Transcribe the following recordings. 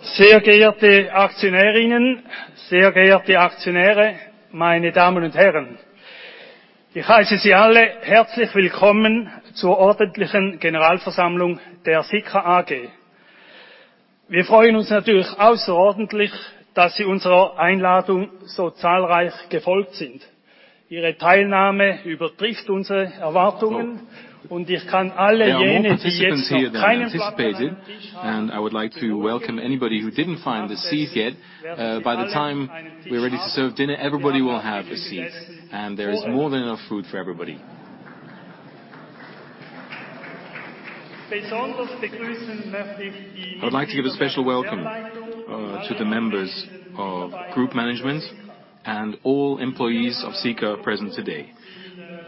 Sehr geehrte Aktionärinnen, sehr geehrte Aktionäre, meine Damen und Herren. Ich heiße Sie alle herzlich willkommen zur ordentlichen Generalversammlung der Sika AG. Wir freuen uns natürlich außerordentlich, dass Sie unserer Einladung so zahlreich gefolgt sind. Ihre Teilnahme übertrifft unsere Erwartungen und ich kann alle jene, die jetzt noch keinen Platz an einem Tisch haben- There are more participants here than anticipated. I would like to welcome anybody who didn't find a seat yet. By the time we are ready to serve dinner, everybody will have a seat. There is more than enough food for everybody. Besonders begrüßen möchten wir die- I would like to give a special welcome to the members of group management and all employees of Sika present today.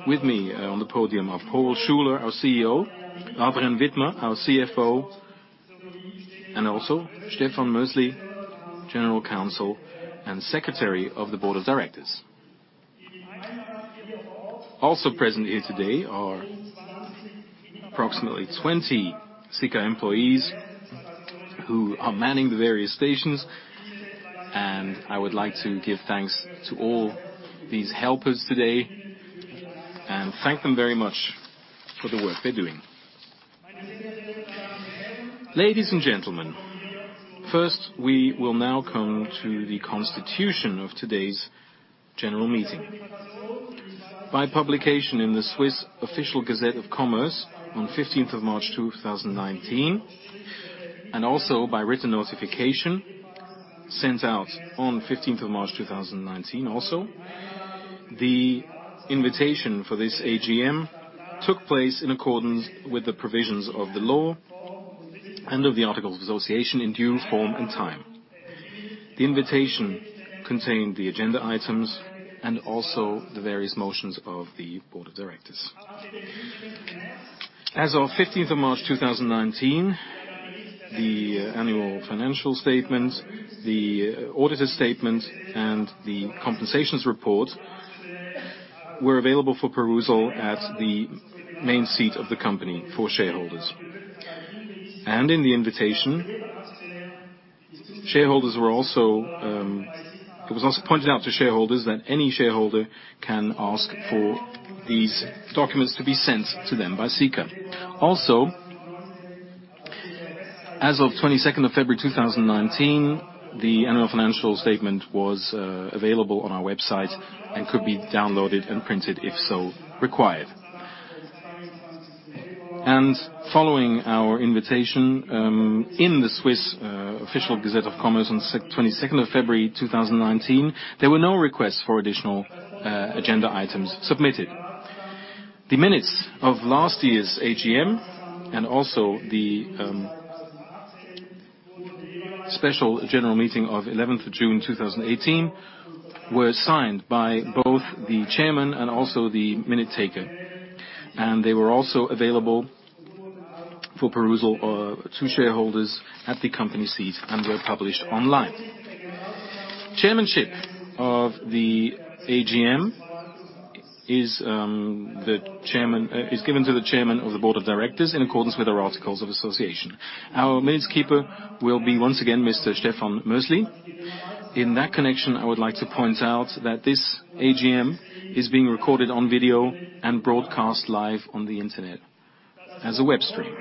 With me on the podium are Paul Schuler, our CEO, Adrian Widmer, our CFO, Stefan Mösli, General Counsel and Secretary of the Board of Directors. Also present here today are approximately 20 Sika employees who are manning the various stations. I would like to give thanks to all these helpers today and thank them very much for the work they're doing. Ladies and gentlemen, first we will now come to the constitution of today's general meeting. By publication in the Swiss Official Gazette of Commerce on 15th of March 2019, also by written notification sent out on 15th of March 2019, the invitation for this AGM took place in accordance with the provisions of the law and of the articles of association in due form and time. The invitation contained the agenda items, also the various motions of the board of directors. As of 15th of March 2019, the annual financial statement, the auditor statement, and the compensations report were available for perusal at the main seat of the company for shareholders. In the invitation, it was also pointed out to shareholders that any shareholder can ask for these documents to be sent to them by Sika. Also, as of 22nd of February 2019, the annual financial statement was available on our website and could be downloaded and printed if so required. Following our invitation, in the Swiss Official Gazette of Commerce on 22nd of February 2019, there were no requests for additional agenda items submitted. The minutes of last year's AGM, also the special general meeting of 11th of June 2018, were signed by both the chairman, also the minute taker. They were also available for perusal to shareholders at the company seat and were published online. Chairmanship of the AGM is given to the chairman of the board of directors in accordance with our articles of association. Our minutes keeper will be, once again, Mr. Stefan Mösli. In that connection, I would like to point out that this AGM is being recorded on video and broadcast live on the Internet as a web stream.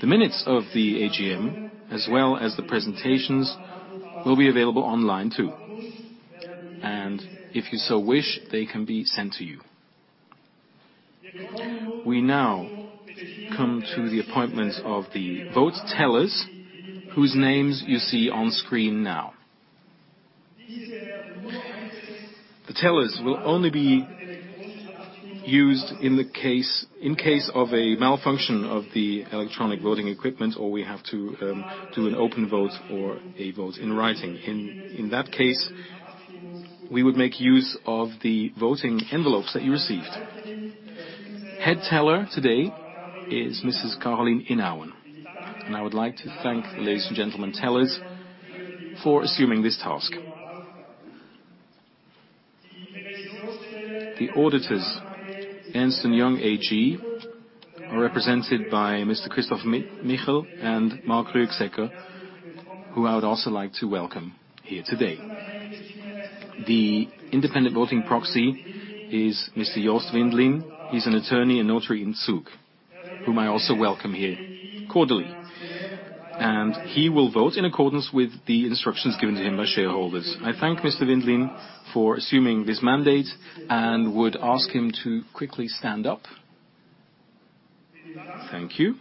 The minutes of the AGM, as well as the presentations, will be available online too. If you so wish, they can be sent to you. We now come to the appointment of the vote tellers, whose names you see on screen now. The tellers will only be used in case of a malfunction of the electronic voting equipment, or we have to do an open vote or a vote in writing. In that case, we would make use of the voting envelopes that you received. Head teller today is Mrs. Caroline Inauen. I would like to thank the ladies and gentlemen tellers for assuming this task. The auditors, Ernst & Young AG, are represented by Mr. Christoph Michel and Marc Ruckstetter who I would also like to welcome here today. The independent voting proxy is Mr. Jost Windlin. He is an attorney and notary in Zug, whom I also welcome here cordially. He will vote in accordance with the instructions given to him by shareholders. I thank Mr. Windlin for assuming this mandate, would ask him to quickly stand up. Thank you.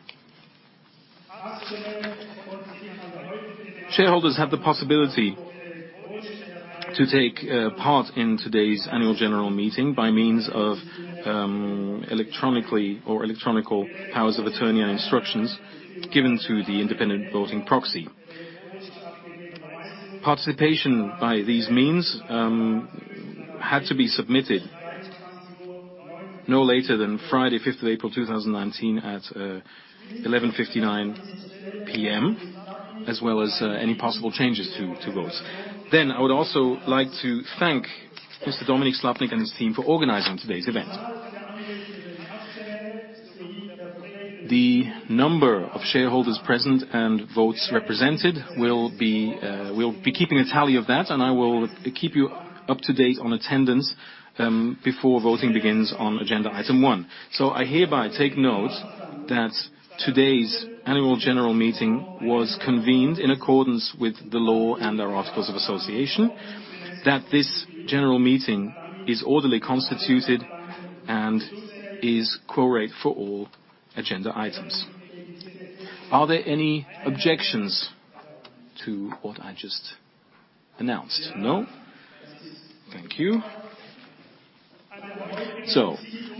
Shareholders have the possibility to take part in today's annual general meeting by means of electronic powers of attorney and instructions given to the independent voting proxy. Participation by these means had to be submitted no later than Friday 5th of April 2019 at 11:59 P.M., as well as any possible changes to votes. I would also like to thank Mr. Dominik Slappnig and his team for organizing today's event. The number of shareholders present, votes represented, we will be keeping a tally of that. I will keep you up to date on attendance before voting begins on agenda item one. I hereby take note that today's annual general meeting was convened in accordance with the law and our articles of association, that this general meeting is orderly constituted and is quorum for all agenda items. Are there any objections to what I just announced? No? Thank you.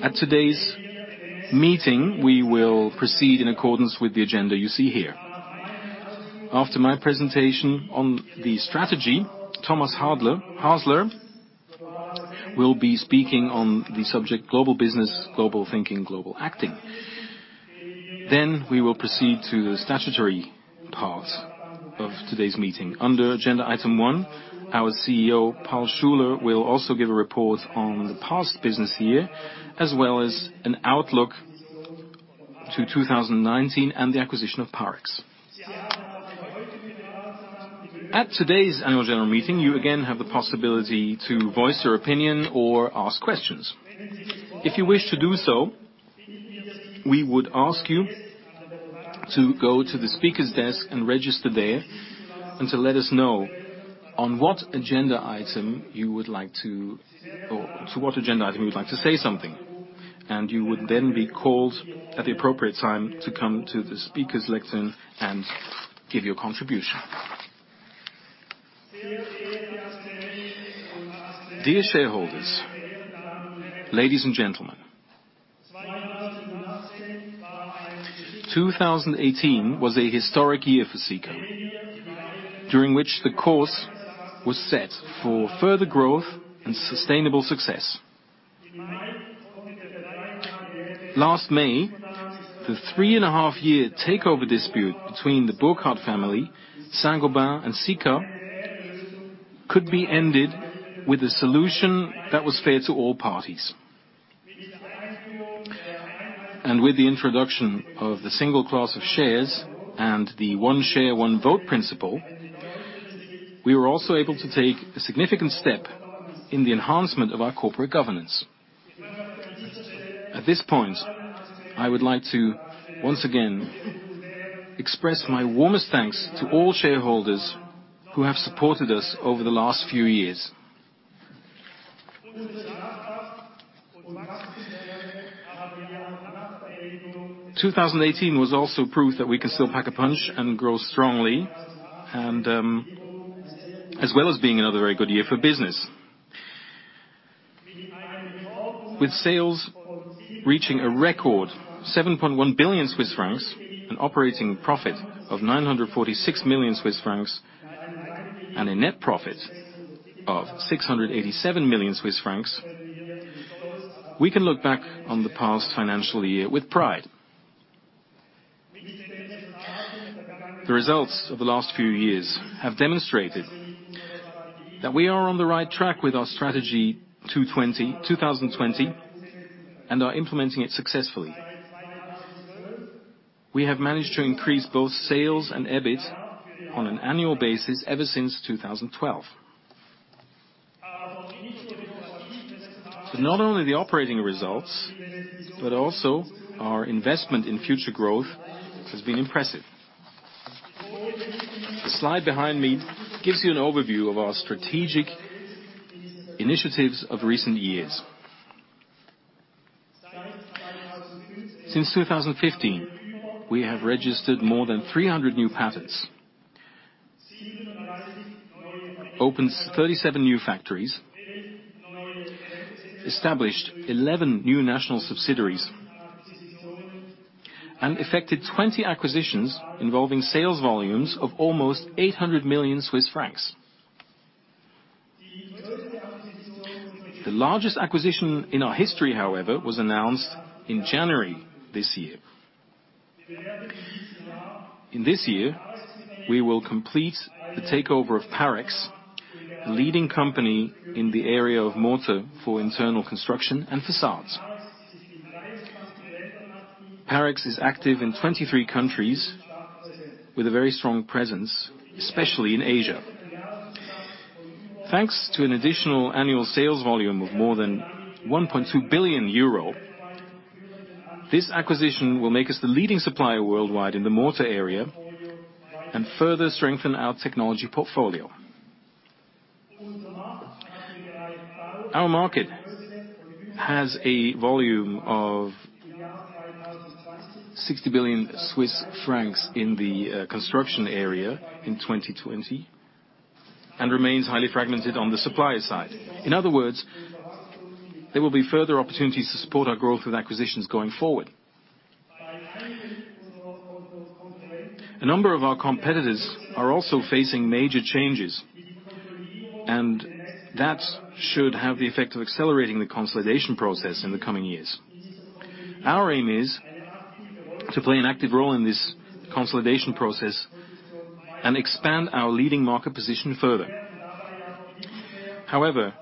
At today's meeting, we will proceed in accordance with the agenda you see here. After my presentation on the strategy, Thomas Hasler will be speaking on the subject global business, global thinking, global acting. We will proceed to the statutory part of today's meeting. Under agenda item 1, our CEO, Paul Schuler, will also give a report on the past business year, as well as an outlook to 2019 and the acquisition of Parex. At today's annual general meeting, you again have the possibility to voice your opinion or ask questions. If you wish to do so, we would ask you to go to the speaker's desk and register there and to let us know on to what agenda item you would like to say something. You would then be called at the appropriate time to come to the speaker's lectern and give your contribution. Dear shareholders, ladies and gentlemen. 2018 was a historic year for Sika, during which the course was set for further growth and sustainable success. Last May, the three-and-a-half-year takeover dispute between the Burkard family, Saint-Gobain, and Sika could be ended with a solution that was fair to all parties. With the introduction of the single class of shares and the one-share, one-vote principle, we were also able to take a significant step in the enhancement of our corporate governance. At this point, I would like to once again express my warmest thanks to all shareholders who have supported us over the last few years. 2018 was also proof that we can still pack a punch and grow strongly, as well as being another very good year for business. With sales reaching a record 7.1 billion Swiss francs, an operating profit of 946 million Swiss francs, and a net profit of 687 million Swiss francs, we can look back on the past financial year with pride. The results of the last few years have demonstrated that we are on the right track with our strategy 2020 and are implementing it successfully. We have managed to increase both sales and EBIT on an annual basis ever since 2012. Not only the operating results, but also our investment in future growth has been impressive. The slide behind me gives you an overview of our strategic initiatives of recent years. Since 2015, we have registered more than 300 new patents, opened 37 new factories, established 11 new national subsidiaries, and effected 20 acquisitions involving sales volumes of almost 800 million Swiss francs. The largest acquisition in our history, however, was announced in January this year. In this year, we will complete the takeover of Parex, the leading company in the area of mortar for internal construction and facades. Parex is active in 23 countries with a very strong presence, especially in Asia. Thanks to an additional annual sales volume of more than 1.2 billion euro, this acquisition will make us the leading supplier worldwide in the mortar area and further strengthen our technology portfolio. Our market has a volume of 60 billion Swiss francs in the construction area in 2020 and remains highly fragmented on the supplier side. In other words, there will be further opportunities to support our growth with acquisitions going forward. A number of our competitors are also facing major changes, and that should have the effect of accelerating the consolidation process in the coming years. Our aim is to play an active role in this consolidation process and expand our leading market position further. However,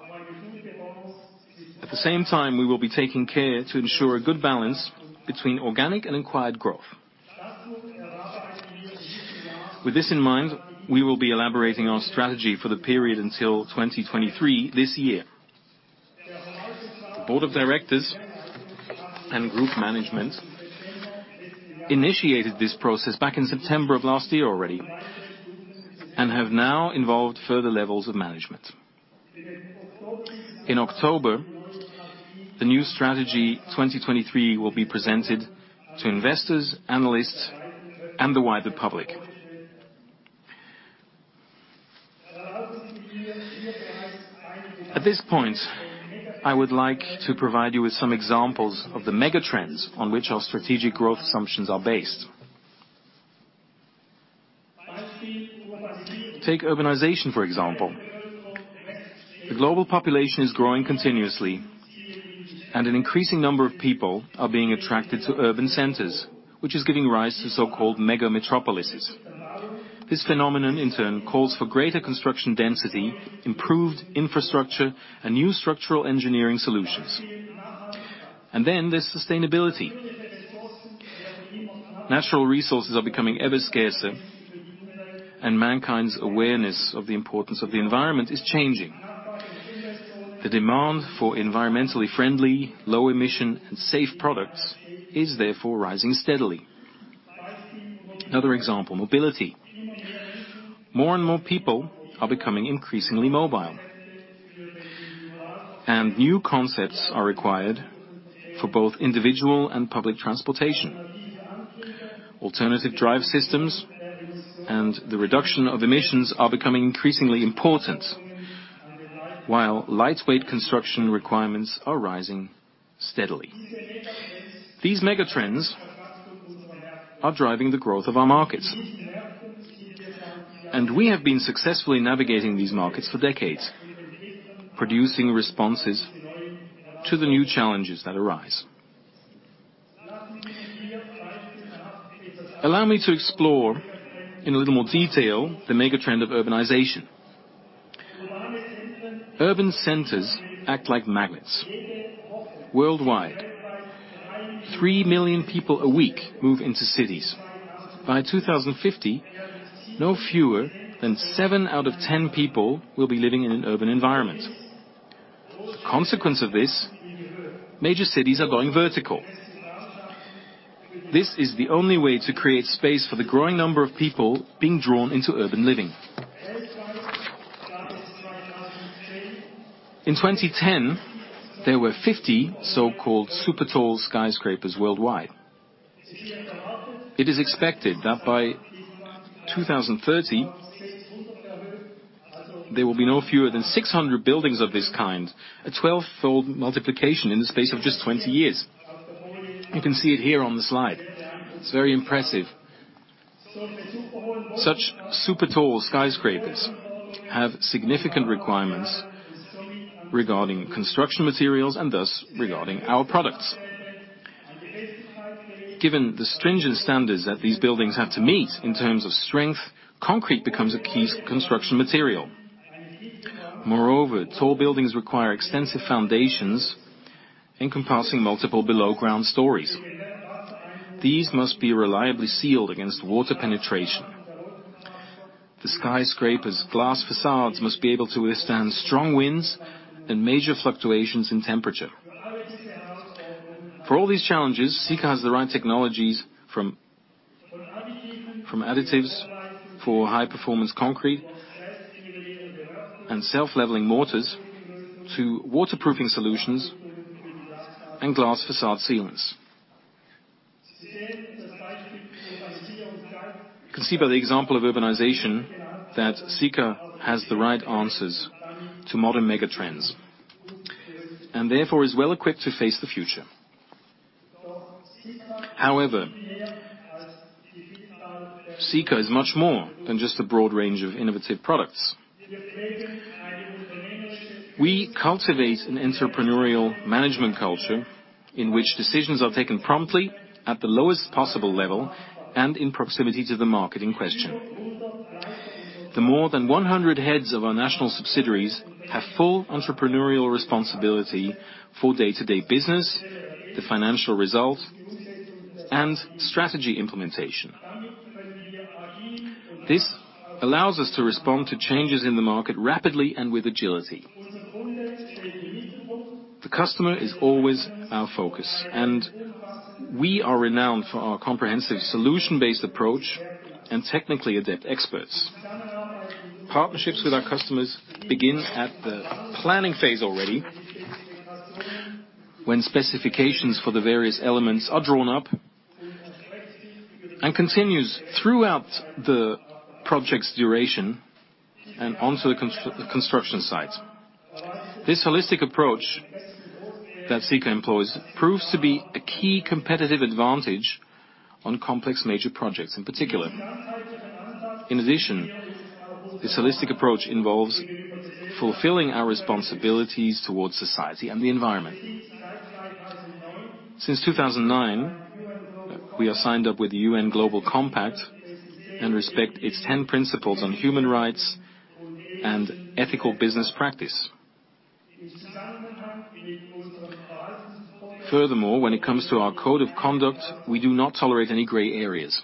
at the same time, we will be taking care to ensure a good balance between organic and acquired growth. With this in mind, we will be elaborating our strategy for the period until 2023 this year. The board of directors and group management initiated this process back in September of last year already and have now involved further levels of management. In October, the new strategy 2023 will be presented to investors, analysts, and the wider public. At this point, I would like to provide you with some examples of the mega trends on which our strategic growth assumptions are based. Take urbanization, for example. The global population is growing continuously, and an increasing number of people are being attracted to urban centers, which is giving rise to so-called mega metropolises. This phenomenon, in turn, calls for greater construction density, improved infrastructure, and new structural engineering solutions. Then there's sustainability. Natural resources are becoming ever scarcer, and mankind's awareness of the importance of the environment is changing. The demand for environmentally friendly, low-emission, and safe products is therefore rising steadily. Another example, mobility. More and more people are becoming increasingly mobile. New concepts are required for both individual and public transportation. Alternative drive systems and the reduction of emissions are becoming increasingly important, while lightweight construction requirements are rising steadily. These mega trends are driving the growth of our markets, and we have been successfully navigating these markets for decades, producing responses to the new challenges that arise. Allow me to explore in a little more detail the mega trend of urbanization. Urban centers act like magnets. Worldwide, 3 million people a week move into cities. By 2050, no fewer than seven out of 10 people will be living in an urban environment. A consequence of this, major cities are going vertical. This is the only way to create space for the growing number of people being drawn into urban living. In 2010, there were 50 so-called super tall skyscrapers worldwide. It is expected that by 2030, there will be no fewer than 600 buildings of this kind, a 12-fold multiplication in the space of just 20 years. You can see it here on the slide. It's very impressive. Such super tall skyscrapers have significant requirements regarding construction materials and thus regarding our products. Given the stringent standards that these buildings have to meet in terms of strength, concrete becomes a key construction material. Moreover, tall buildings require extensive foundations encompassing multiple below-ground stories. These must be reliably sealed against water penetration. The skyscraper's glass facades must be able to withstand strong winds and major fluctuations in temperature. For all these challenges, Sika has the right technologies from additives for high-performance concrete and self-leveling mortars to waterproofing solutions and glass facade sealants. You can see by the example of urbanization that Sika has the right answers to modern megatrends and therefore is well equipped to face the future. However, Sika is much more than just a broad range of innovative products. We cultivate an entrepreneurial management culture in which decisions are taken promptly at the lowest possible level and in proximity to the market in question. The more than 100 heads of our national subsidiaries have full entrepreneurial responsibility for day-to-day business, the financial results, and strategy implementation. This allows us to respond to changes in the market rapidly and with agility. The customer is always our focus, and we are renowned for our comprehensive solution-based approach and technically adept experts. Partnerships with our customers begins at the planning phase already when specifications for the various elements are drawn up and continues throughout the project's duration and onto the construction site. This holistic approach that Sika employs proves to be a key competitive advantage on complex major projects in particular. In addition, this holistic approach involves fulfilling our responsibilities towards society and the environment. Since 2009 we are signed up with the UN Global Compact and respect its 10 principles on human rights and ethical business practice. Furthermore, when it comes to our code of conduct, we do not tolerate any gray areas.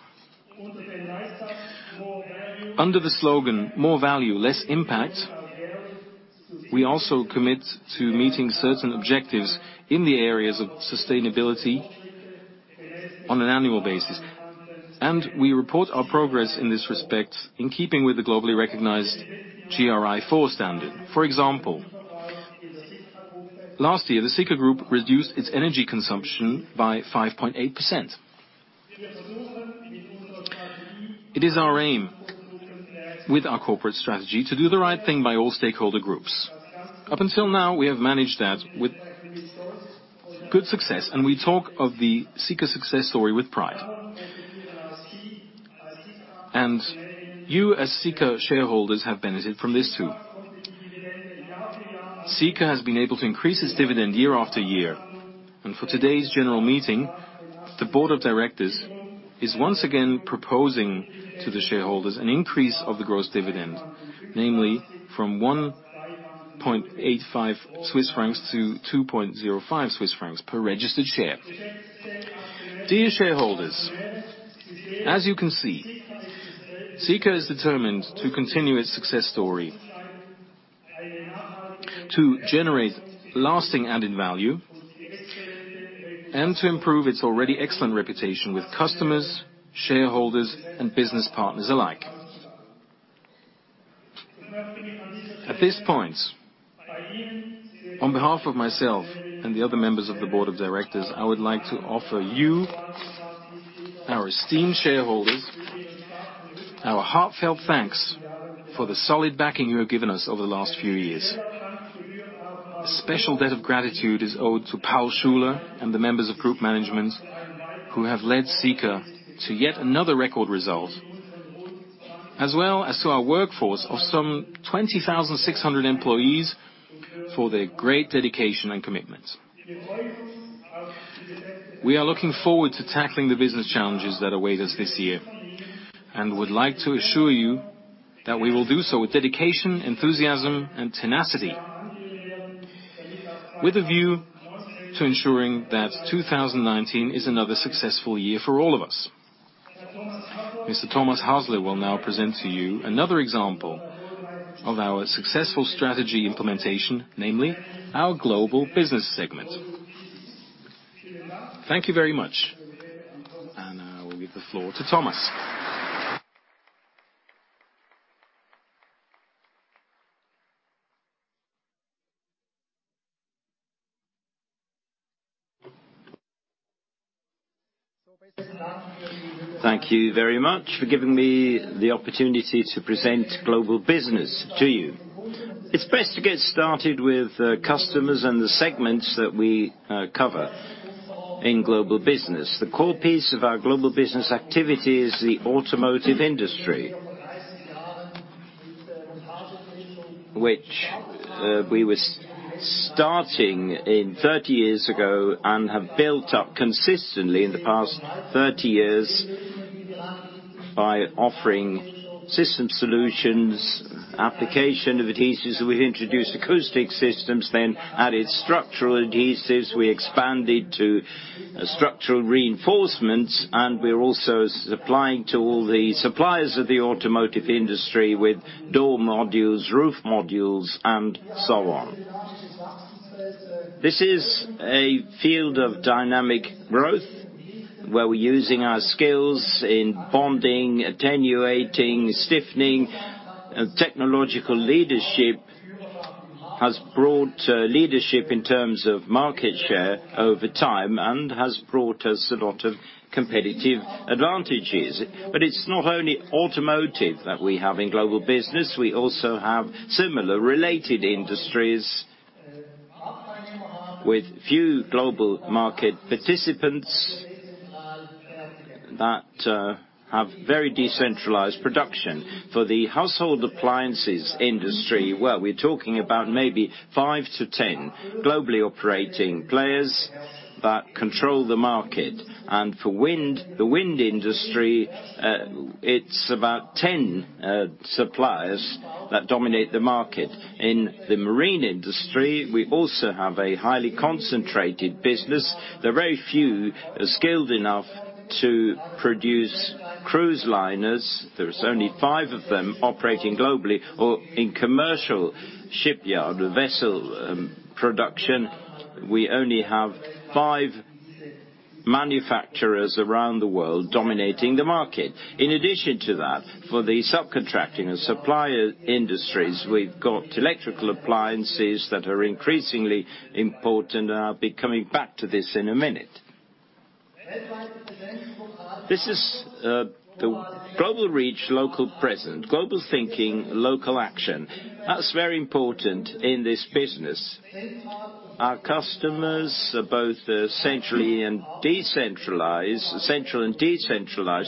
Under the slogan, "More value, less impact," we also commit to meeting certain objectives in the areas of sustainability on an annual basis, and we report our progress in this respect in keeping with the globally recognized GRI 4 standard. For example, last year, the Sika Group reduced its energy consumption by 5.8%. It is our aim with our corporate strategy to do the right thing by all stakeholder groups. Up until now, we have managed that with good success, and we talk of the Sika success story with pride. You as Sika shareholders have benefited from this too. Sika has been able to increase its dividend year after year. For today's general meeting, the board of directors is once again proposing to the shareholders an increase of the gross dividend, namely from 1.85 Swiss francs to 2.05 Swiss francs per registered share. Dear shareholders, as you can see, Sika is determined to continue its success story, to generate lasting added value, and to improve its already excellent reputation with customers, shareholders, and business partners alike. At this point, on behalf of myself and the other members of the board of directors, I would like to offer you, our esteemed shareholders, our heartfelt thanks for the solid backing you have given us over the last few years. A special debt of gratitude is owed to Paul Schuler and the members of group management who have led Sika to yet another record result, as well as to our workforce of some 20,600 employees for their great dedication and commitment. We are looking forward to tackling the business challenges that await us this year and would like to assure you that we will do so with dedication, enthusiasm, and tenacity with a view to ensuring that 2019 is another successful year for all of us. Mr. Thomas Hasler will now present to you another example of our successful strategy implementation, namely our Global Business segment. Thank you very much. I will give the floor to Thomas. Thank you very much for giving me the opportunity to present Global Business to you. It's best to get started with customers and the segments that we cover in Global Business. The core piece of our Global Business activity is the automotive industry, which we were starting in 30 years ago and have built up consistently in the past 30 years by offering system solutions, application of adhesives. We introduced acoustic systems. Added structural adhesives. We expanded to structural reinforcements. We're also supplying to all the suppliers of the automotive industry with door modules, roof modules, and so on. This is a field of dynamic growth where we're using our skills in bonding, attenuating, stiffening. Technological leadership has brought leadership in terms of market share over time and has brought us a lot of competitive advantages. It's not only automotive that we have in Global Business. We also have similar related industries with few global market participants that have very decentralized production. For the household appliances industry, well, we're talking about maybe 5 to 10 globally operating players that control the market. For the wind industry, it's about 10 suppliers that dominate the market. In the marine industry, we also have a highly concentrated business. There are very few skilled enough to produce cruise liners. There is only five of them operating globally or in commercial shipyard vessel production. We only have five manufacturers around the world dominating the market. In addition to that, for the subcontracting and supplier industries, we've got electrical appliances that are increasingly important. I'll be coming back to this in a minute. This is the global reach, local presence, global thinking, local action. That's very important in this business. Our customers are both central and decentralized.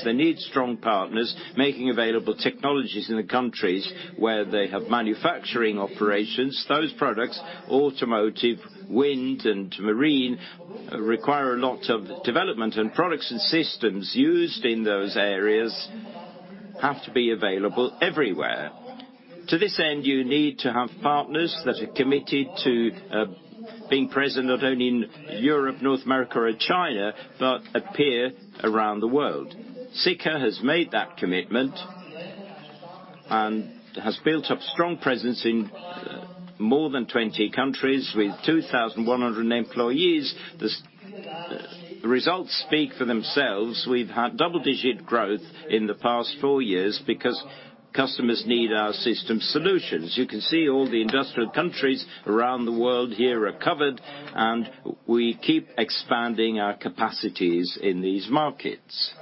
They need strong partners making available technologies in the countries where they have manufacturing operations. Those products, automotive, wind, and marine, require a lot of development and products and systems used in those areas have to be available everywhere. To this end, you need to have partners that are committed to being present not only in Europe, North America or China, but appear around the world. Sika has made that commitment and has built up strong presence in more than 20 countries with 2,100 employees. The results speak for themselves. We've had double-digit growth in the past four years because customers need our system solutions. You can see all the industrial countries around the world here are covered. We keep expanding our capacities in these markets.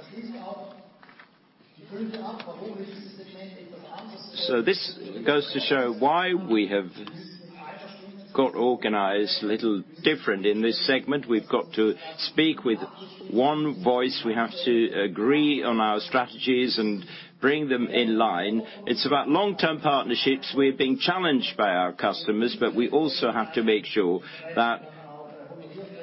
This goes to show why we have got organized a little different in this segment. We've got to speak with one voice. We have to agree on our strategies and bring them in line. It's about long-term partnerships. We're being challenged by our customers. We also have to make sure that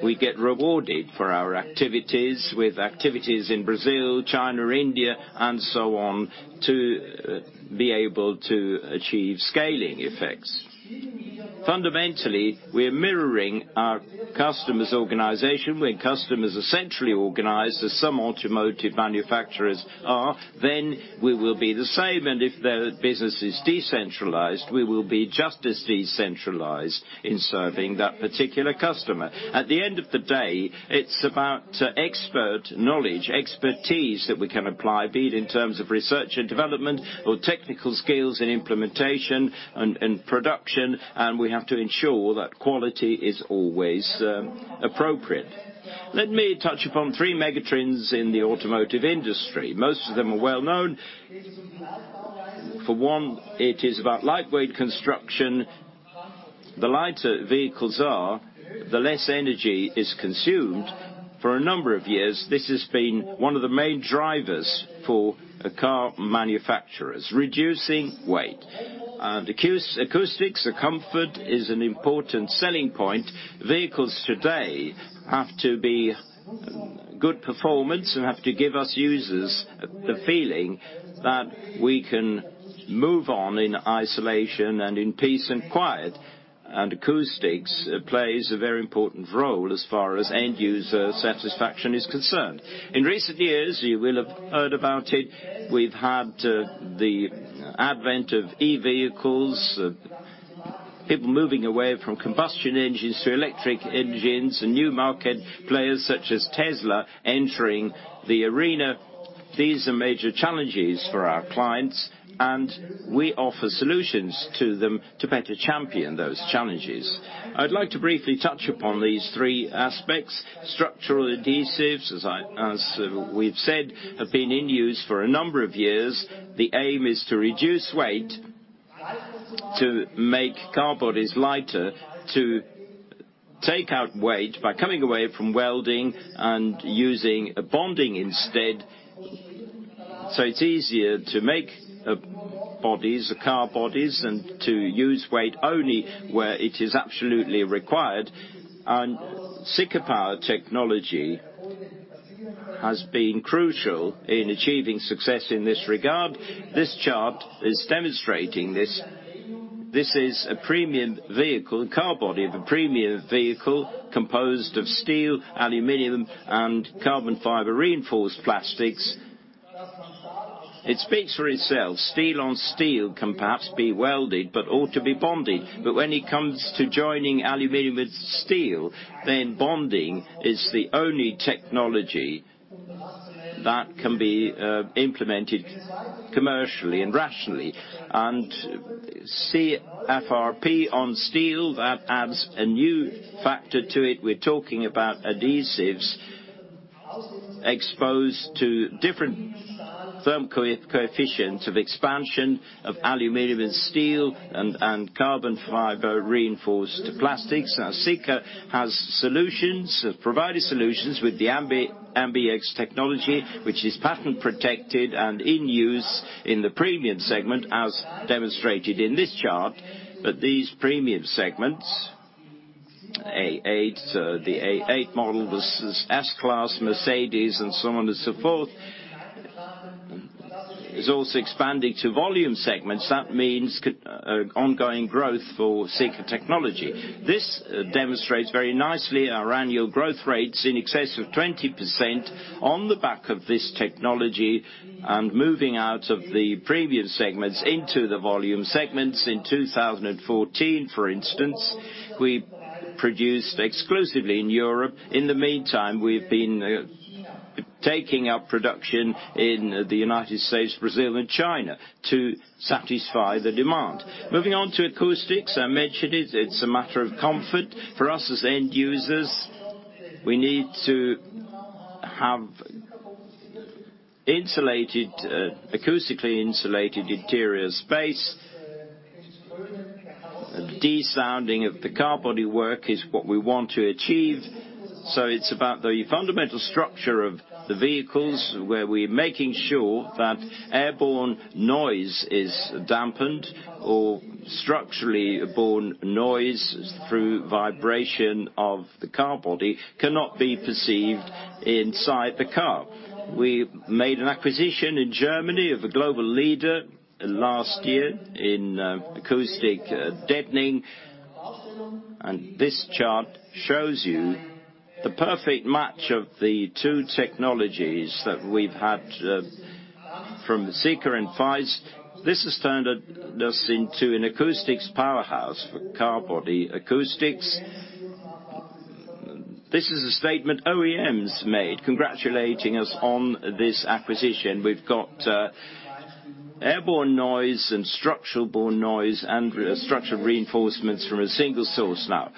we get rewarded for our activities, with activities in Brazil, China, India, and so on, to be able to achieve scaling effects. Fundamentally, we are mirroring our customer's organization. When customers are centrally organized, as some automotive manufacturers are, we will be the same. If their business is decentralized, we will be just as decentralized in serving that particular customer. At the end of the day, it's about expert knowledge, expertise that we can apply, be it in terms of research and development or technical skills in implementation and production. We have to ensure that quality is always appropriate. Let me touch upon three mega trends in the automotive industry. Most of them are well-known. For one, it is about lightweight construction. The lighter vehicles are, the less energy is consumed. For a number of years, this has been one of the main drivers for car manufacturers, reducing weight. Acoustics or comfort is an important selling point. Vehicles today have to be good performance and have to give us users the feeling that we can move on in isolation and in peace and quiet. Acoustics plays a very important role as far as end-user satisfaction is concerned. In recent years, you will have heard about it, we've had the advent of e-vehicles, people moving away from combustion engines to electric engines. New market players such as Tesla entering the arena. These are major challenges for our clients. We offer solutions to them to better champion those challenges. I'd like to briefly touch upon these three aspects. Structural adhesives, as we've said, have been in use for a number of years. The aim is to reduce weight, to make car bodies lighter, to take out weight by cutting away from welding and using bonding instead. It's easier to make car bodies and to use weight only where it is absolutely required. SikaPower technology has been crucial in achieving success in this regard. This chart is demonstrating this. This is a premium vehicle, the car body of a premium vehicle composed of steel, aluminum, and carbon fiber reinforced plastics. It speaks for itself. Steel on steel can perhaps be welded but ought to be bonded. When it comes to joining aluminum with steel, then bonding is the only technology that can be implemented commercially and rationally. CFRP on steel, that adds a new factor to it. We're talking about adhesives exposed to different thermal coefficients of expansion of aluminum and steel and carbon fiber reinforced plastics. Sika has solutions, has provided solutions with the, [inaudible] which is patent protected and in use in the premium segment as demonstrated in this chart. These premium segments, the A8 model, the S Class Mercedes, and so on and so forth, is also expanding to volume segments. That means ongoing growth for Sika technology. This demonstrates very nicely our annual growth rates in excess of 20% on the back of this technology and moving out of the premium segments into the volume segments. In 2014, for instance, we produced exclusively in Europe. In the meantime, we've been taking up production in the United States, Brazil, and China to satisfy the demand. Moving on to acoustics, I mentioned it's a matter of comfort for us as end users. We need to have acoustically insulated interior space. De-sounding of the car body work is what we want to achieve. It's about the fundamental structure of the vehicles, where we're making sure that airborne noise is dampened or structurally born noise through vibration of the car body cannot be perceived inside the car. We made an acquisition in Germany of a global leader last year in acoustic deadening, and this chart shows you the perfect match of the two technologies that we've had from Sika and Faist. This has turned us into an acoustics powerhouse for car body acoustics. This is a statement OEMs made congratulating us on this acquisition. We've got airborne noise and structural-borne noise and structural reinforcements from a single source now.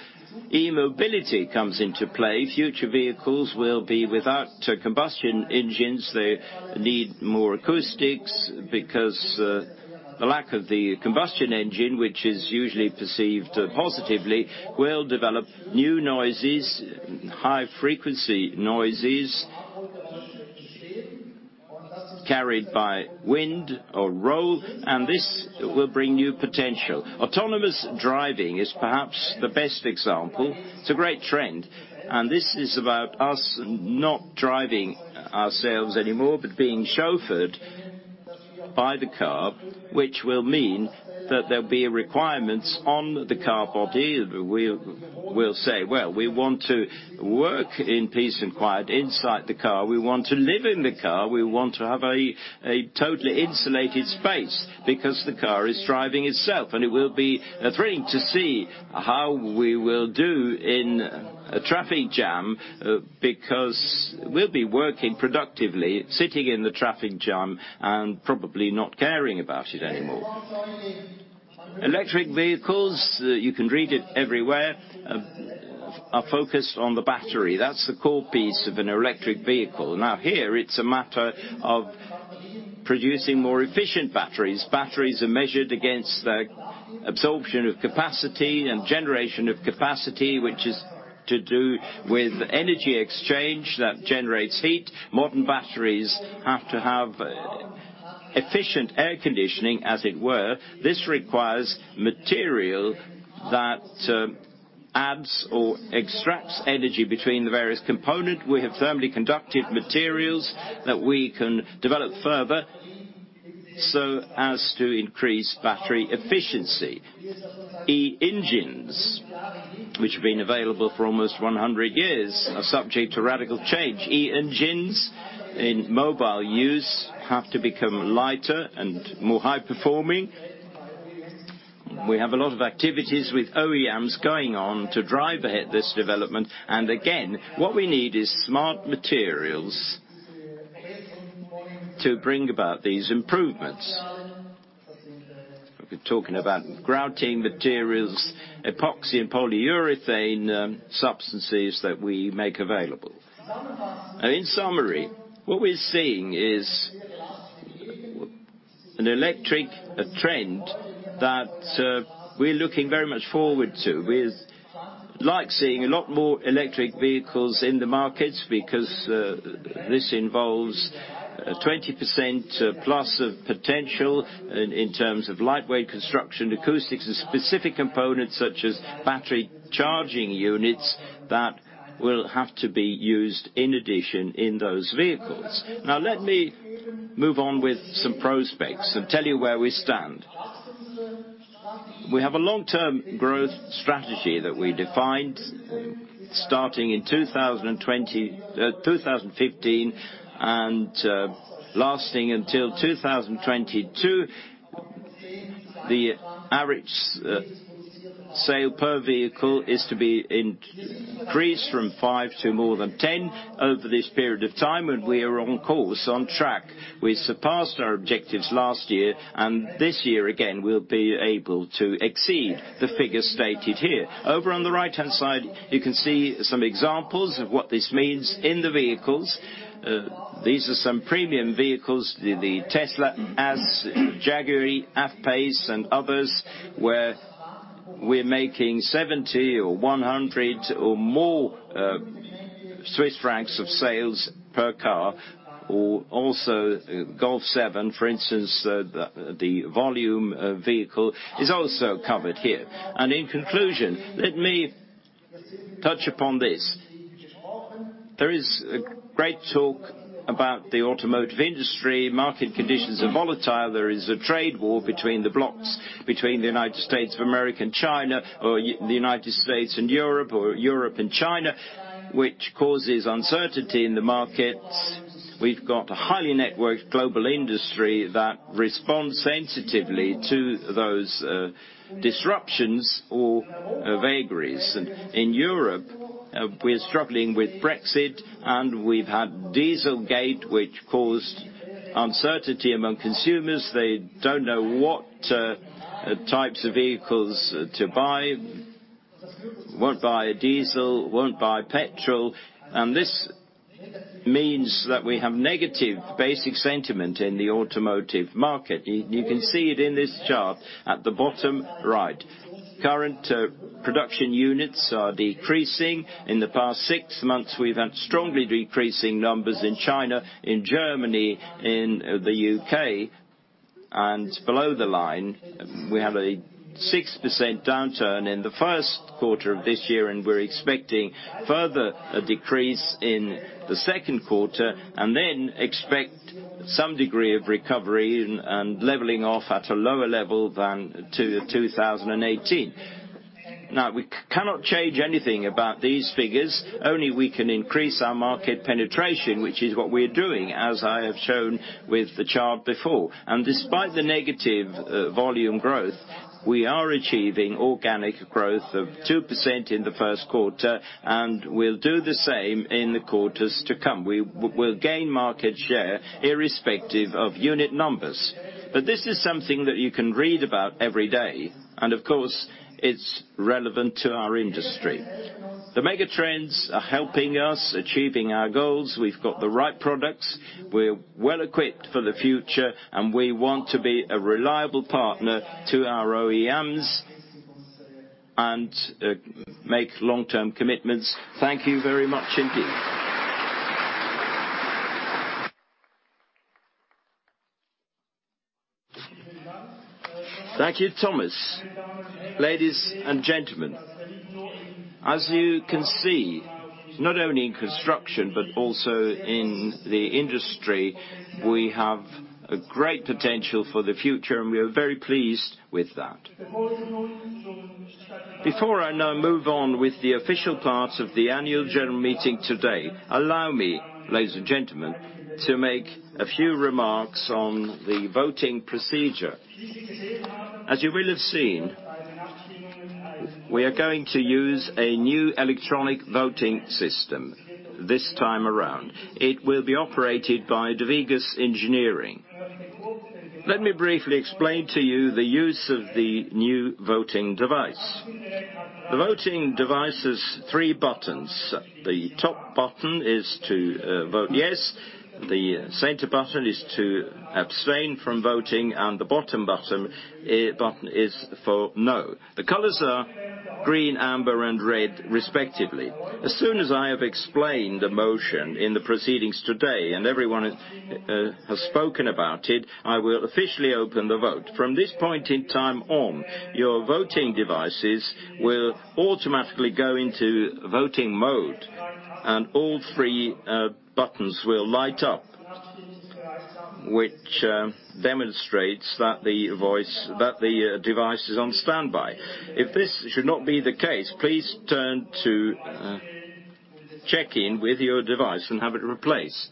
E-mobility comes into play. Future vehicles will be without combustion engines. They need more acoustics because the lack of the combustion engine, which is usually perceived positively, will develop new noises, high frequency noises, carried by wind or road. This will bring new potential. Autonomous driving is perhaps the best example. It's a great trend. This is about us not driving ourselves anymore, but being chauffeured by the car, which will mean that there'll be requirements on the car body. We'll say, "Well, we want to work in peace and quiet inside the car. We want to live in the car. We want to have a totally insulated space because the car is driving itself." It will be thrilling to see how we will do in a traffic jam, because we'll be working productively, sitting in the traffic jam and probably not caring about it anymore. Electric vehicles, you can read it everywhere, are focused on the battery. That's the core piece of an electric vehicle. Here, it's a matter of producing more efficient batteries. Batteries are measured against absorption of capacity and generation of capacity, which is to do with energy exchange that generates heat. Modern batteries have to have efficient air conditioning, as it were. This requires material that adds or extracts energy between the various component. We have thermally conductive materials that we can develop further so as to increase battery efficiency. E-engines, which have been available for almost 100 years, are subject to radical change. E-engines in mobile use have to become lighter and more high-performing. We have a lot of activities with OEMs going on to drive ahead this development. Again, what we need is smart materials to bring about these improvements. We're talking about grouting materials, epoxy and polyurethane substances that we make available. In summary, what we're seeing is an electric trend that we're looking very much forward to. We like seeing a lot more electric vehicles in the markets because this involves 20%+ of potential in terms of lightweight construction, acoustics, and specific components such as battery charging units that will have to be used in addition in those vehicles. Let me move on with some prospects and tell you where we stand. We have a long-term growth strategy that we defined starting in 2015 and lasting until 2022. The average sale per vehicle is to be increased from five to more than 10 over this period of time. We are on course, on track. We surpassed our objectives last year. This year again, we'll be able to exceed the figures stated here. Over on the right-hand side, you can see some examples of what this means in the vehicles. These are some premium vehicles, the Tesla, Jaguar F-PACE and others, where we're making 70 or 100 or more CHF of sales per car or also Golf 7, for instance, the volume vehicle, is also covered here. In conclusion, let me touch upon this. There is great talk about the automotive industry. Market conditions are volatile. There is a trade war between the blocks, between the United States of America and China, or the United States and Europe, or Europe and China, which causes uncertainty in the markets. We've got a highly networked global industry that responds sensitively to those disruptions or vagaries. In Europe, we're struggling with Brexit and we've had Dieselgate, which caused uncertainty among consumers. They don't know what types of vehicles to buy, won't buy a diesel, won't buy petrol. This means that we have negative basic sentiment in the automotive market. You can see it in this chart at the bottom right. Current production units are decreasing. In the past six months, we've had strongly decreasing numbers in China, in Germany, in the U.K. Below the line, we have a 6% downturn in the first quarter of this year. We're expecting further decrease in the second quarter, then expect some degree of recovery and leveling off at a lower level than 2018. Now, we cannot change anything about these figures. Only we can increase our market penetration, which is what we're doing, as I have shown with the chart before. Despite the negative volume growth, we are achieving organic growth of 2% in the first quarter. We'll do the same in the quarters to come. We'll gain market share irrespective of unit numbers. This is something that you can read about every day. Of course, it's relevant to our industry. The mega trends are helping us achieving our goals. We've got the right products. We're well-equipped for the future, and we want to be a reliable partner to our OEMs, make long-term commitments. Thank you very much indeed. Thank you, Thomas. Ladies and gentlemen, as you can see, not only in construction, but also in the industry, we have a great potential for the future. We are very pleased with that. Before I now move on with the official part of the annual general meeting today, allow me, ladies and gentlemen, to make a few remarks on the voting procedure. As you will have seen, we are going to use a new electronic voting system this time around. It will be operated by Devigus Engineering. Let me briefly explain to you the use of the new voting device. The voting device has three buttons. The top button is to vote yes, the center button is to abstain from voting. The bottom button is for no. The colors are green, amber, red, respectively. As soon as I have explained the motion in the proceedings today, everyone has spoken about it, I will officially open the vote. From this point in time on, your voting devices will automatically go into voting mode. All three buttons will light up, which demonstrates that the device is on standby. If this should not be the case, please turn to check in with your device and have it replaced.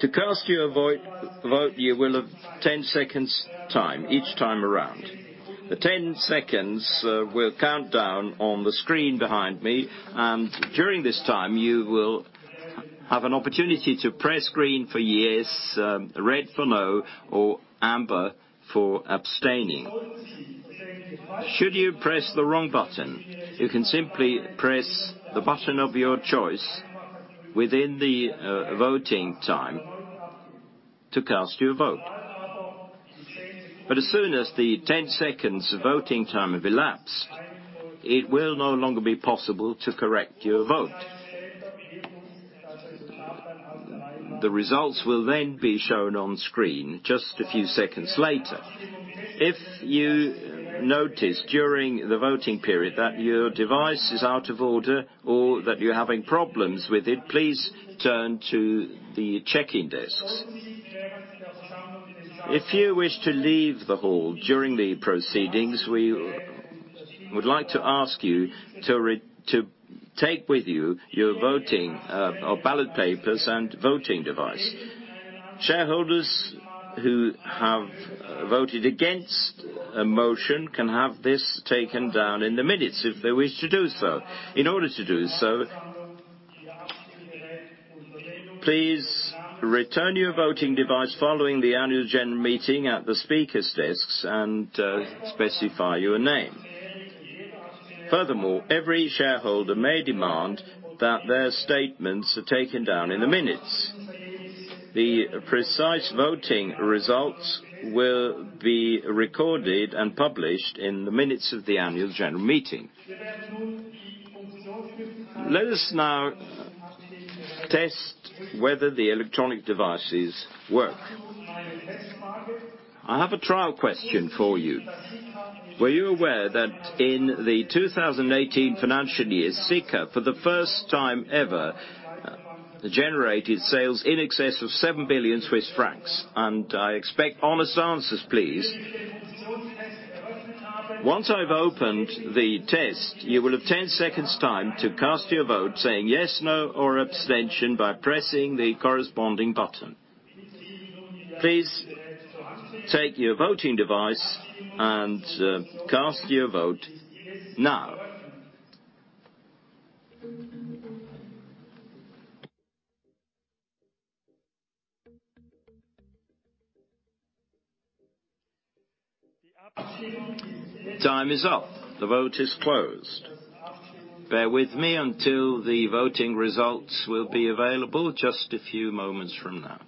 To cast your vote, you will have 10 seconds time each time around. The 10 seconds will count down on the screen behind me. During this time, you will have an opportunity to press green for yes, red for no, amber for abstaining. Should you press the wrong button, you can simply press the button of your choice within the voting time to cast your vote. As soon as the 10 seconds voting time have elapsed, it will no longer be possible to correct your vote. The results will be shown on screen just a few seconds later. If you notice during the voting period that your device is out of order or that you're having problems with it, please turn to the check-in desks. If you wish to leave the hall during the proceedings, we would like to ask you to take with you your ballot papers and voting device. Shareholders who have voted against a motion can have this taken down in the minutes if they wish to do so. In order to do so, please return your voting device following the annual general meeting at the speakers' desks and specify your name. Furthermore, every shareholder may demand that their statements are taken down in the minutes. The precise voting results will be recorded and published in the minutes of the annual general meeting. Let us now test whether the electronic devices work. I have a trial question for you. Were you aware that in the 2018 financial year, Sika, for the first time ever, generated sales in excess of 7 billion Swiss francs? I expect honest answers, please. Once I've opened the test, you will have 10 seconds time to cast your vote, saying yes, no, or abstention by pressing the corresponding button. Please take your voting device and cast your vote now. Time is up. The vote is closed. Bear with me until the voting results will be available just a few moments from now.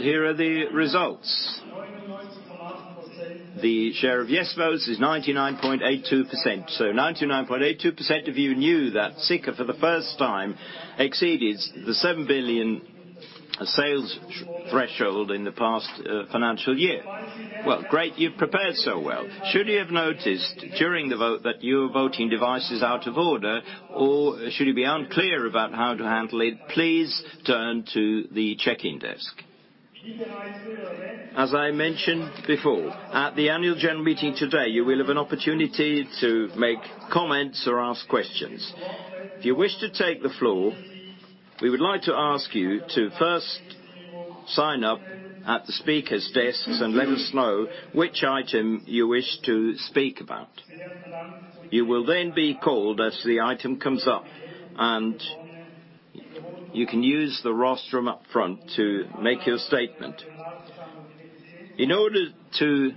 Here are the results. The share of yes votes is 99.82%. 99.82% of you knew that Sika, for the first time, exceeded the 7 billion sales threshold in the past financial year. Well, great, you've prepared so well. Should you have noticed during the vote that your voting device is out of order, or should you be unclear about how to handle it, please turn to the check-in desks. As I mentioned before, at the annual general meeting today, you will have an opportunity to make comments or ask questions. If you wish to take the floor, we would like to ask you to first sign up at the speakers' desks and let us know which item you wish to speak about. You will be called as the item comes up, and you can use the rostrum up front to make your statement. In order to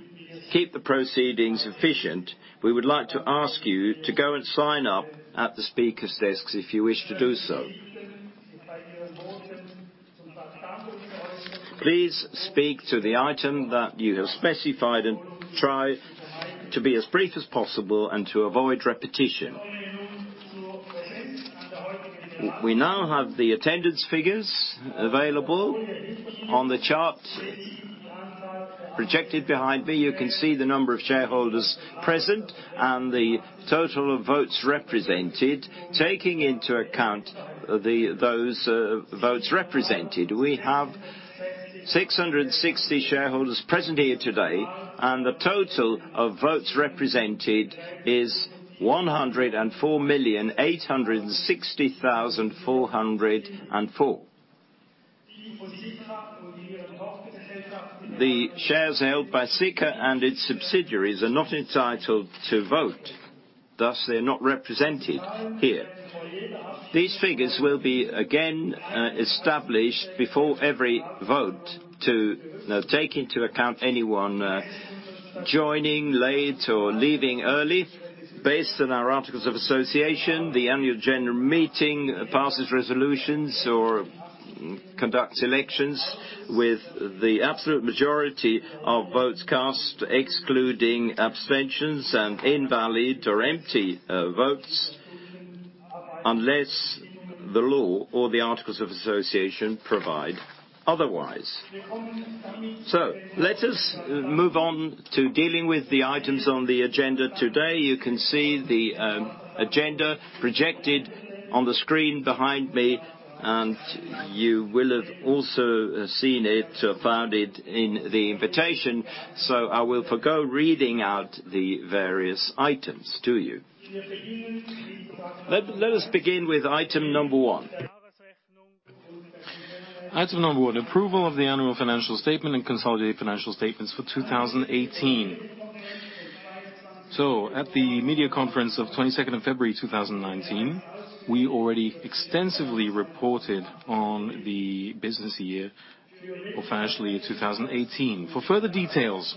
keep the proceedings efficient, we would like to ask you to go and sign up at the speakers' desks if you wish to do so. Please speak to the item that you have specified and try to be as brief as possible and to avoid repetition. We now have the attendance figures available on the chart projected behind me. You can see the number of shareholders present and the total of votes represented. Taking into account those votes represented, we have 660 shareholders present here today, and the total of votes represented is 104,860,404. The shares held by Sika and its subsidiaries are not entitled to vote. Thus, they're not represented here. These figures will be again established before every vote to take into account anyone joining late or leaving early. Based on our articles of association, the annual general meeting passes resolutions or conducts elections with the absolute majority of votes cast, excluding abstentions and invalid or empty votes, unless the law or the articles of association provide otherwise. Let us move on to dealing with the items on the agenda today. You can see the agenda projected on the screen behind me, and you will have also seen it, found it in the invitation. I will forgo reading out the various items to you. Let us begin with item number one. Item number one, approval of the financial statement and consolidated financial statements for 2018. At the media conference of 22nd of February 2019, we already extensively reported on the business year or financial year 2018. For further details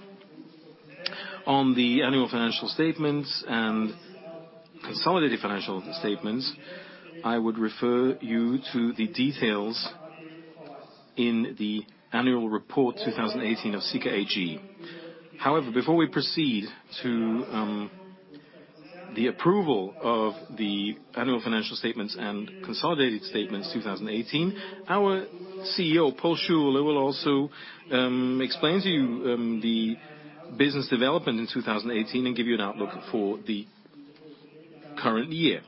on the annual financial statements and consolidated financial statements, I would refer you to the details in the annual report 2018 of Sika AG. However, before we proceed to the approval of the annual financial statements and consolidated statements 2018, our CEO, Paul Schuler, will also explain to you the business development in 2018 and give you an outlook for the current year.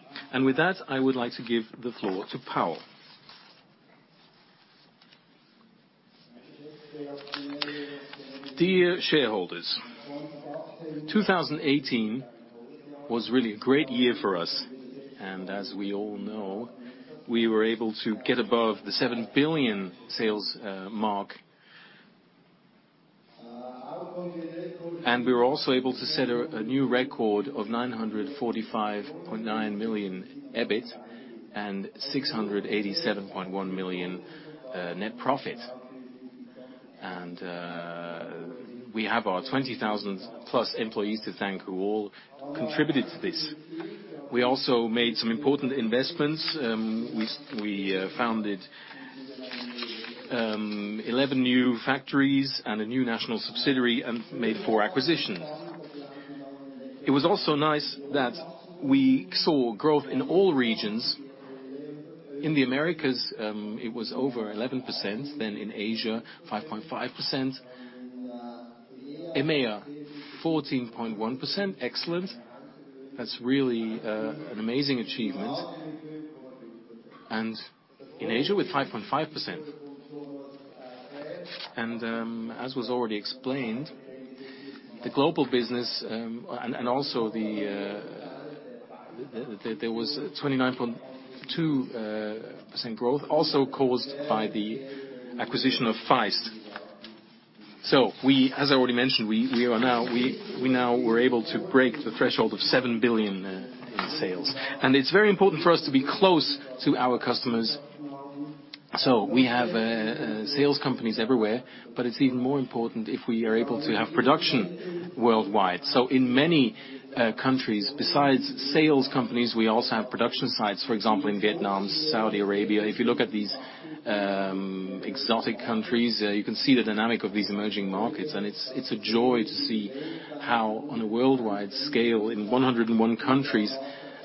With that, I would like to give the floor to Paul. Dear shareholders, 2018 was really a great year for us. As we all know, we were able to get above the 7 billion sales mark. We were also able to set a new record of 945.9 million EBIT and 687.1 million net profit. We have our 20,000-plus employees to thank who all contributed to this. We also made some important investments. We founded 11 new factories and a new national subsidiary and made four acquisitions. It was also nice that we saw growth in all regions. In the Americas, it was over 11%, then in Asia, 5.5%. EMEA, 14.1%, excellent. That's really an amazing achievement. In Asia, with 5.5%. As was already explained The global business, also there was 29.2% growth also caused by the acquisition of Faist. As I already mentioned, we now were able to break the threshold of 7 billion in sales. It's very important for us to be close to our customers. We have sales companies everywhere, but it's even more important if we are able to have production worldwide. In many countries, besides sales companies, we also have production sites, for example, in Vietnam, Saudi Arabia. If you look at these exotic countries, you can see the dynamic of these emerging markets, and it's a joy to see how on a worldwide scale, in 101 countries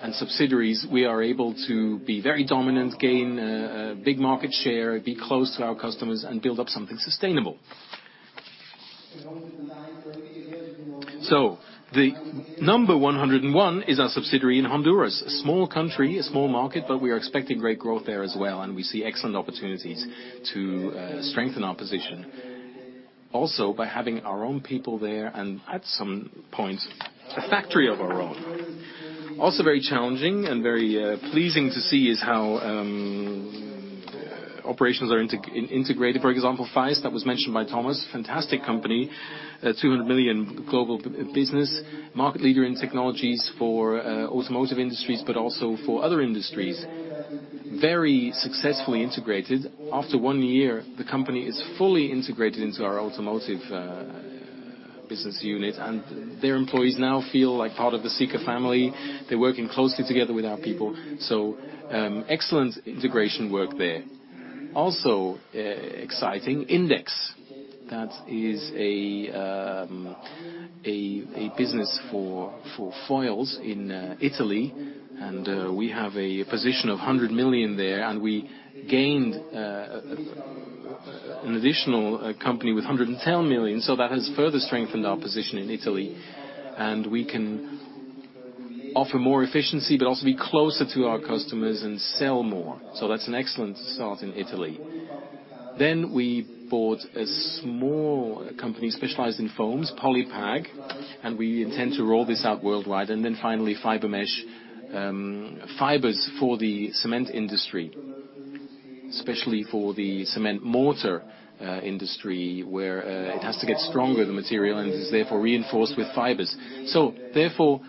and subsidiaries, we are able to be very dominant, gain a big market share, be close to our customers, and build up something sustainable. The number 101 is our subsidiary in Honduras. A small country, a small market, but we are expecting great growth there as well, and we see excellent opportunities to strengthen our position. Also by having our own people there, and at some point, a factory of our own. Also very challenging and very pleasing to see is how operations are integrated. For example, Faist, that was mentioned by Thomas. Fantastic company. 200 million global business. Market leader in technologies for automotive industries, but also for other industries. Very successfully integrated. After one year, the company is fully integrated into our automotive business unit, and their employees now feel like part of the Sika family. They are working closely together with our people. Excellent integration work there. Also exciting, Index. That is a business for foils in Italy, and we have a position of 100 million there, and we gained an additional company with 110 million. That has further strengthened our position in Italy, and we can offer more efficiency, but also be closer to our customers and sell more. That is an excellent start in Italy. Then we bought a small company specialized in foams, Polypack, and we intend to roll this out worldwide. Then finally, Fibermesh. Fibers for the cement industry. Especially for the cement mortar industry, where it has to get stronger, the material, and is therefore reinforced with fibers. Therefore,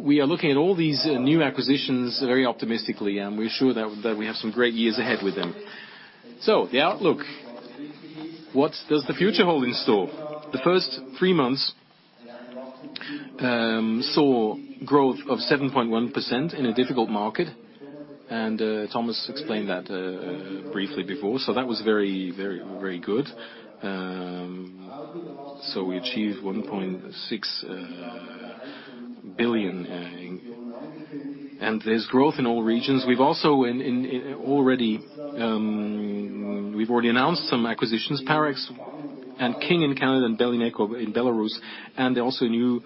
we are looking at all these new acquisitions very optimistically, and we are sure that we have some great years ahead with them. The outlook. What does the future hold in store? The first three months saw growth of 7.1% in a difficult market, and Thomas explained that briefly before. That was very good. We achieved 1.6 billion, and there is growth in all regions. We have already announced some acquisitions. Parex, and King in Canada, and Belineco in Belarus, and also a new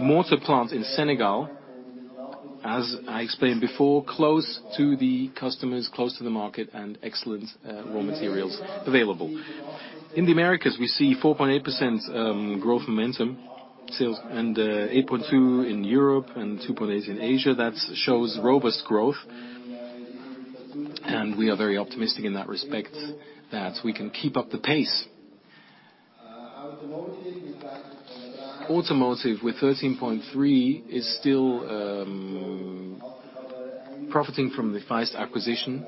mortar plant in Senegal. As I explained before, close to the customers, close to the market, and excellent raw materials available. In the Americas, we see 4.8% growth momentum sales, and 8.2% in Europe, and 2.8% in Asia. That shows robust growth, and we are very optimistic in that respect that we can keep up the pace. Automotive, with 13.3%, is still profiting from the Faist acquisition,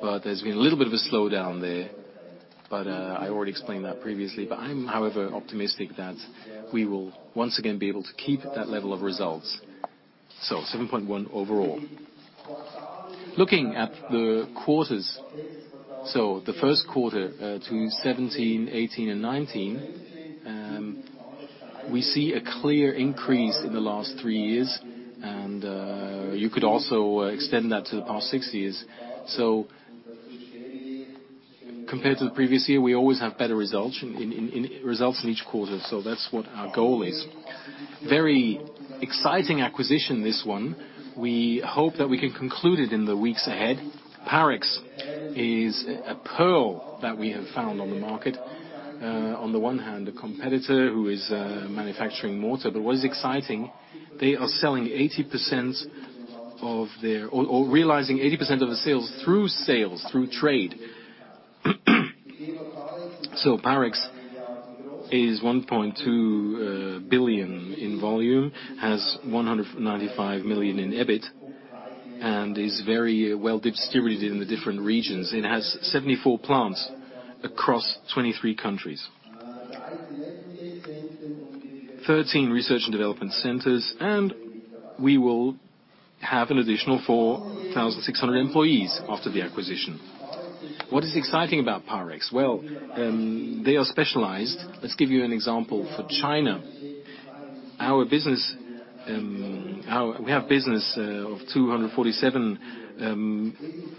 but there has been a little bit of a slowdown there. I already explained that previously. I am, however, optimistic that we will once again be able to keep that level of results. 7.1% overall. Looking at the quarters, so the first quarter to 2017, 2018, and 2019, we see a clear increase in the last three years. Compared to the previous year, we always have better results in each quarter. That is what our goal is. Very exciting acquisition, this one. We hope that we can conclude it in the weeks ahead. Parex is a pearl that we have found on the market. On the one hand, a competitor who is manufacturing mortar, but what is exciting, they are realizing 80% of the sales through sales, through trade. Parex is 1.2 billion in volume, has 195 million in EBIT, and is very well distributed in the different regions, and has 74 plants across 23 countries. 13 research and development centers, and we will have an additional 4,600 employees after the acquisition. What is exciting about Parex? Well, they are specialized. Let us give you an example for China. We have business of 247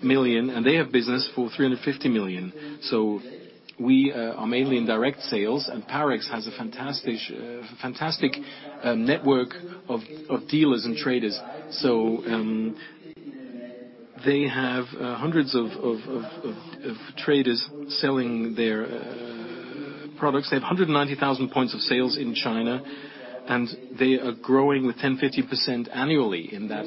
million, they have business for 350 million. We are mainly in direct sales, Parex has a fantastic network of dealers and traders. They have hundreds of traders selling their products. They have 190,000 points of sales in China, they are growing with 10%-15% annually in that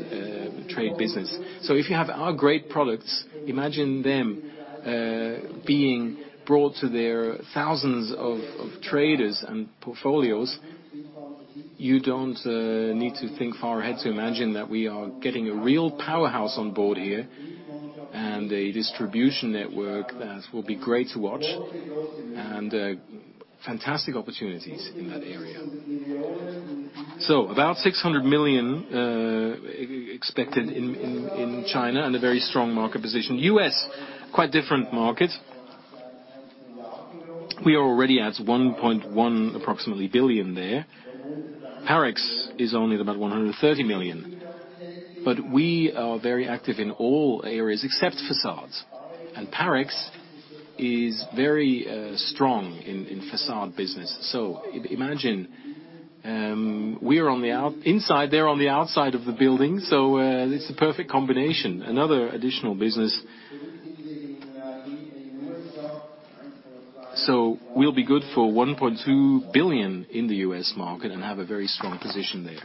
trade business. If you have our great products, imagine them being brought to their thousands of traders and portfolios. You don't need to think far ahead to imagine that we are getting a real powerhouse on board here, a distribution network that will be great to watch, fantastic opportunities in that area. About 600 million expected in China, a very strong market position. U.S., quite different market. We are already at approximately 1.1 billion there. Parex is only about 130 million. We are very active in all areas except facades. Parex is very strong in facade business. Imagine, we are on the inside, they're on the outside of the building, it's a perfect combination. Another additional business. We'll be good for 1.2 billion in the U.S. market and have a very strong position there.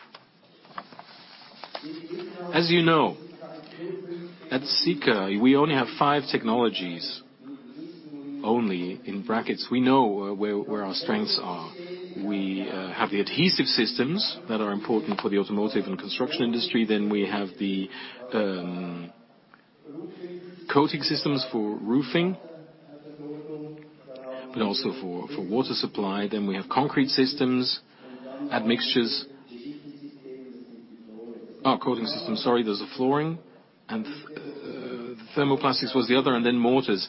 As you know, at Sika, we only have five technologies. Only, in brackets. We know where our strengths are. We have the adhesive systems that are important for the automotive and construction industry. We have the coating systems for roofing, but also for water supply. We have concrete systems, admixtures. Not coating system, sorry, those are flooring, thermoplastics was the other, mortars.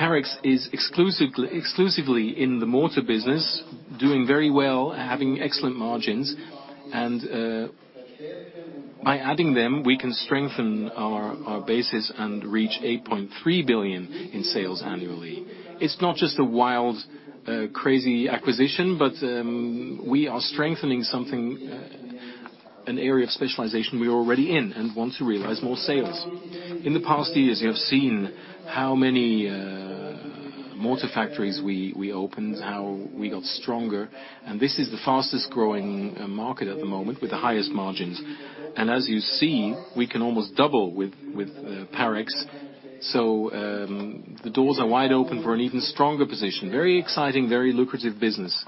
Parex is exclusively in the mortar business, doing very well, having excellent margins. By adding them, we can strengthen our bases and reach 8.3 billion in sales annually. It's not just a wild, crazy acquisition, we are strengthening something, an area of specialization we are already in and want to realize more sales. In the past years, you have seen how many mortar factories we opened, how we got stronger, this is the fastest-growing market at the moment with the highest margins. As you see, we can almost double with Parex. The doors are wide open for an even stronger position. Very exciting, very lucrative business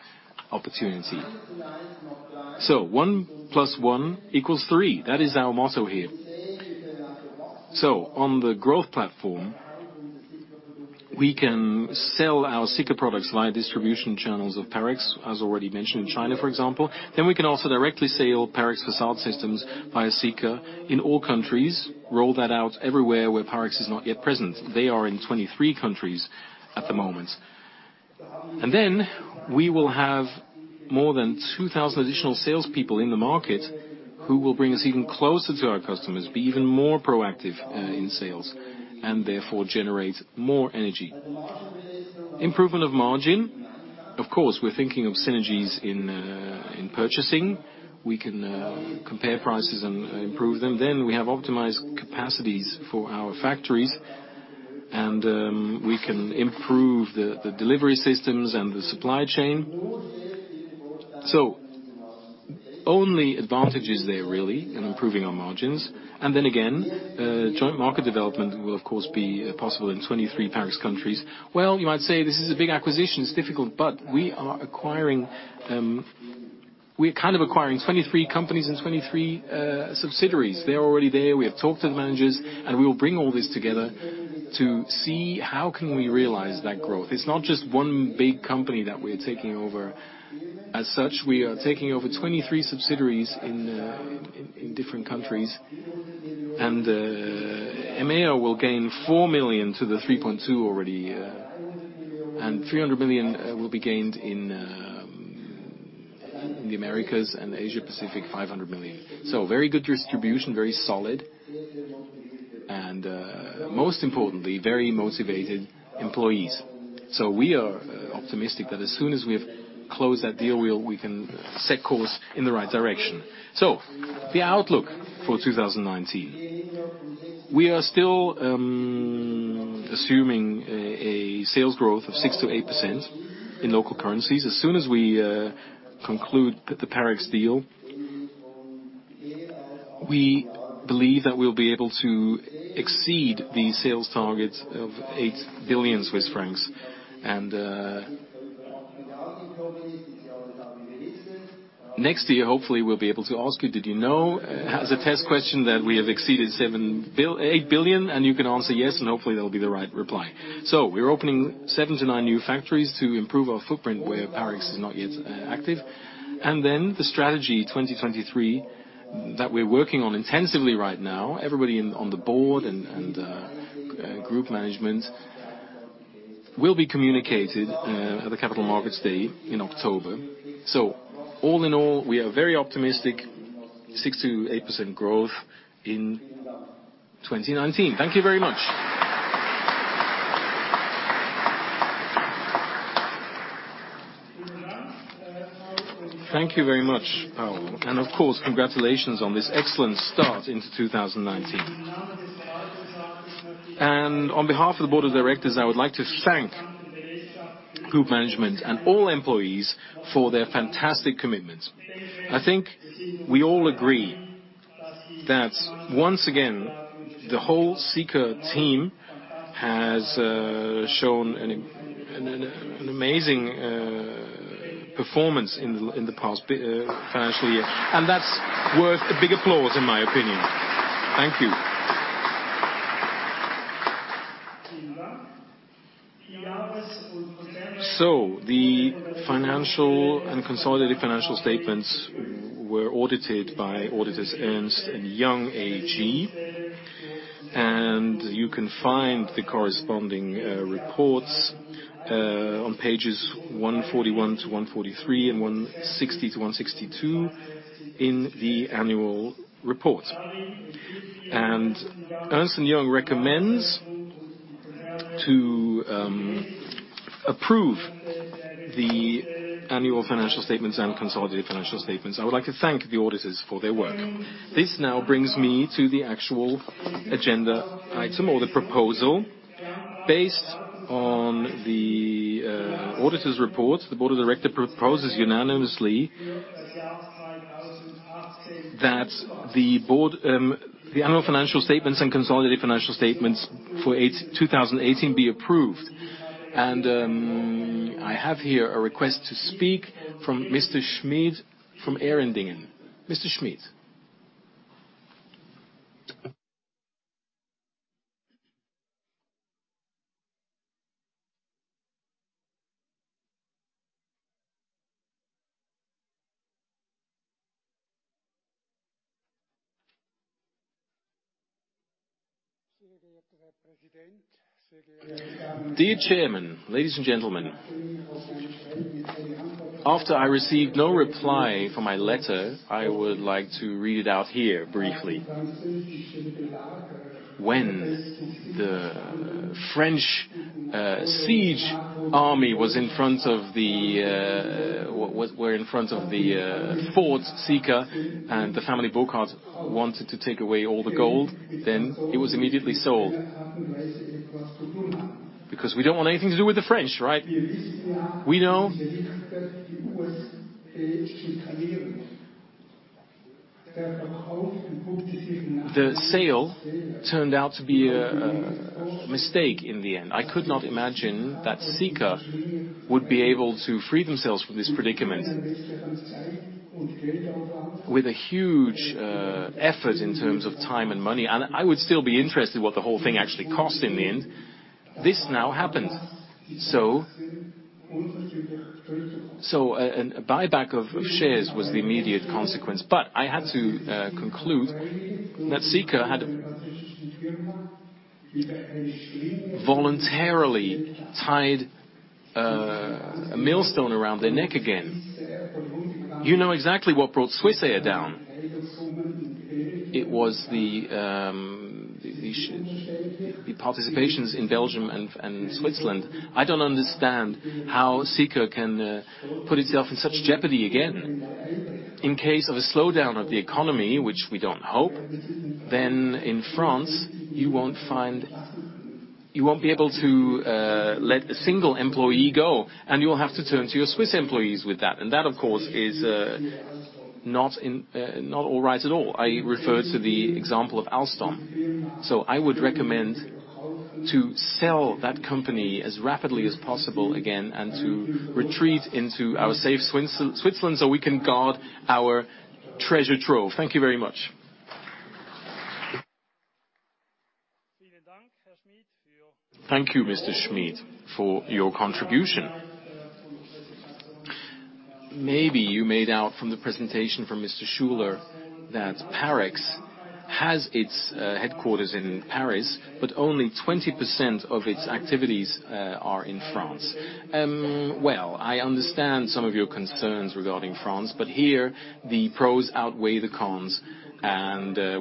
opportunity. One plus one equals three. That is our motto here. On the growth platform, we can sell our Sika products via distribution channels of Parex, as already mentioned in China, for example. We can also directly sell Parex facade systems via Sika in all countries, roll that out everywhere where Parex is not yet present. They are in 23 countries at the moment. We will have more than 2,000 additional salespeople in the market who will bring us even closer to our customers, be even more proactive in sales, therefore generate more energy. Improvement of margin. Of course, we're thinking of synergies in purchasing. We can compare prices and improve them. We have optimized capacities for our factories, we can improve the delivery systems and the supply chain. Only advantages there really in improving our margins. Again, joint market development will of course be possible in 23 Parex countries. You might say this is a big acquisition, it's difficult, we are acquiring 23 companies and 23 subsidiaries. They're already there. We have talked to the managers, we will bring all this together to see how can we realize that growth. It's not just one big company that we're taking over. We are taking over 23 subsidiaries in different countries. EMEA will gain 400 million to the 3.2 already. 300 million will be gained in the Americas and Asia Pacific, 500 million. Very good distribution, very solid. Most importantly, very motivated employees. We are optimistic that as soon as we have closed that deal, we can set course in the right direction. The outlook for 2019. We are still assuming a sales growth of 6%-8% in local currencies. As soon as we conclude the Parex deal, we believe that we'll be able to exceed the sales targets of 8 billion Swiss francs. Next year, hopefully, we'll be able to ask you, did you know, as a test question, that we have exceeded 8 billion? You can answer yes, and hopefully that will be the right reply. We are opening seven to nine new factories to improve our footprint where Parex is not yet active. The Strategy 2023 that we're working on intensively right now, everybody on the Board and Group Management will be communicated at the Capital Markets Day in October. All in all, we are very optimistic, 6%-8% growth in 2019. Thank you very much. Thank you very much, Paul. Of course, congratulations on this excellent start into 2019. On behalf of the Board of Directors, I would like to thank Group Management and all employees for their fantastic commitment. I think we all agree that once again, the whole Sika team has shown an amazing performance in the past financial year, that's worth a big applause in my opinion. Thank you. The financial and consolidated financial statements were audited by auditors Ernst & Young AG. You can find the corresponding reports on pages 141-143 and 160-162 in the annual report. Ernst & Young recommends to approve the annual financial statements and consolidated financial statements. I would like to thank the auditors for their work. This now brings me to the actual agenda item or the proposal. Based on the auditor's report, the Board of Directors proposes unanimously that the annual financial statements and consolidated financial statements for 2018 be approved. I have here a request to speak from Mr. Schmidt from Ehrendingen. Mr. Schmidt. Dear Chairman, ladies and gentlemen. After I received no reply for my letter, I would like to read it out here briefly. When the French siege army were in front of the fort, Sika and the family Burkard wanted to take away all the gold. It was immediately sold. We don't want anything to do with the French, right? We know the sale turned out to be a mistake in the end. I could not imagine that Sika would be able to free themselves from this predicament. With a huge effort in terms of time and money, and I would still be interested what the whole thing actually cost in the end. This now happened. A buyback of shares was the immediate consequence. I had to conclude that Sika had voluntarily tied a millstone around their neck again. You know exactly what brought Swissair down. It was the participations in Belgium and Switzerland. I don't understand how Sika can put itself in such jeopardy again. In case of a slowdown of the economy, which we don't hope, then in France, you won't be able to let a single employee go, and you will have to turn to your Swiss employees with that. That, of course, is not all right at all. I refer to the example of Alstom. I would recommend to sell that company as rapidly as possible again and to retreat into our safe Switzerland so we can guard our treasure trove. Thank you very much. Thank you, Mr. Schmidt, for your contribution. Maybe you made out from the presentation from Mr. Schuler that Parex has its headquarters in Paris, but only 20% of its activities are in France. I understand some of your concerns regarding France, but here the pros outweigh the cons.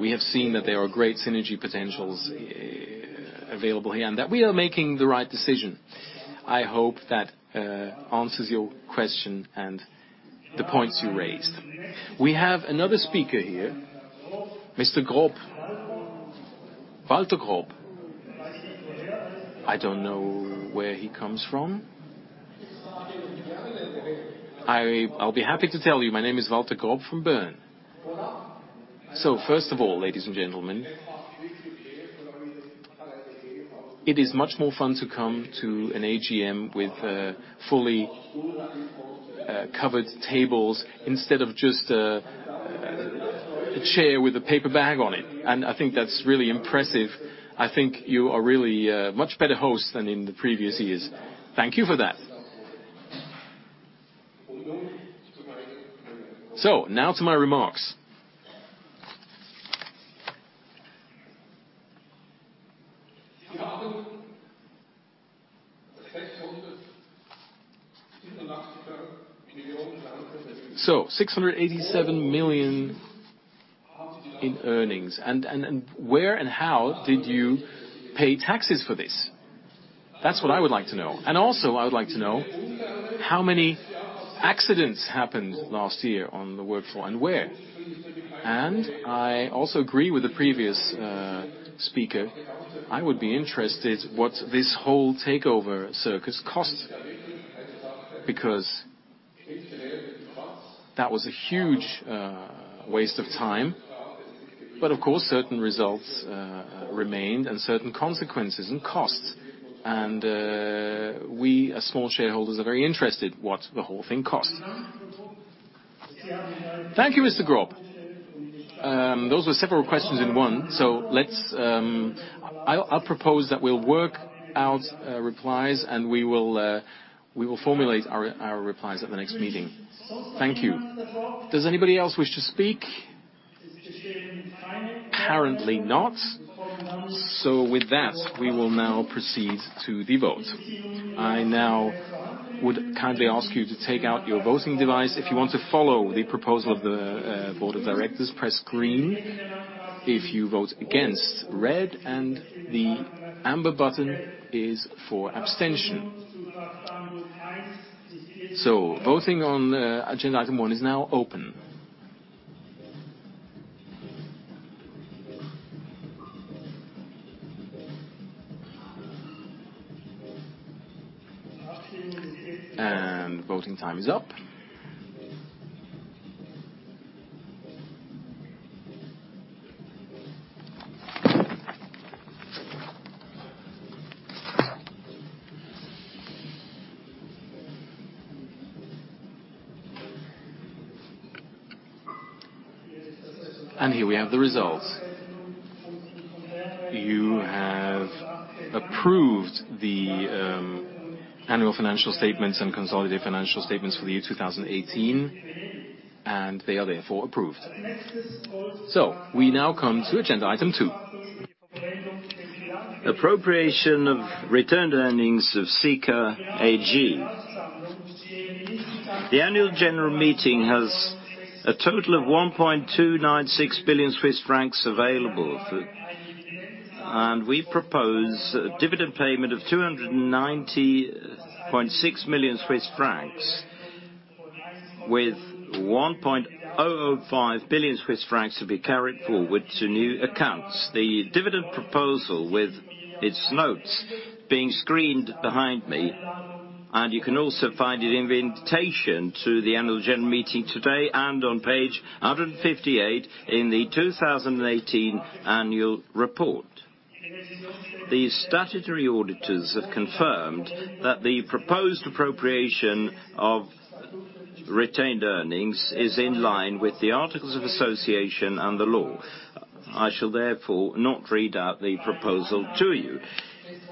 We have seen that there are great synergy potentials available here, and that we are making the right decision. I hope that answers your question and the points you raised. We have another speaker here, Mr. Grob. Walter Grob. I don't know where he comes from. I'll be happy to tell you. My name is Walter Grob from Bern. First of all, ladies and gentlemen, it is much more fun to come to an AGM with fully covered tables instead of just a chair with a paper bag on it. I think that's really impressive. I think you are really a much better host than in the previous years. Thank you for that. Now to my remarks. CHF 687 million In earnings. Where and how did you pay taxes for this? That's what I would like to know. Also, I would like to know how many accidents happened last year on the workforce and where. I also agree with the previous speaker, I would be interested what this whole takeover circus cost, because that was a huge waste of time. Of course, certain results remained and certain consequences and costs. We, as small shareholders, are very interested what the whole thing cost. Thank you, Mr. Grob. Those were several questions in one. I'll propose that we'll work out replies and we will formulate our replies at the next meeting. Thank you. Does anybody else wish to speak? Apparently not. With that, we will now proceed to the vote. I now would kindly ask you to take out your voting device. If you want to follow the proposal of the board of directors, press green; if you vote against, red; and the amber button is for abstention. Voting on agenda item one is now open. Voting time is up. Here we have the results. You have approved the annual financial statements and consolidated financial statements for the year 2018, and they are therefore approved. We now come to agenda item two. Appropriation of retained earnings of Sika AG. The annual general meeting has a total of 1.296 billion Swiss francs available. We propose a dividend payment of 290.6 million Swiss francs, with 1.005 billion Swiss francs to be carried forward to new accounts. The dividend proposal with its notes being screened behind me. You can also find it in the invitation to the annual general meeting today and on page 158 in the 2018 annual report. The statutory auditors have confirmed that the proposed appropriation of retained earnings is in line with the articles of association and the law. I shall therefore not read out the proposal to you.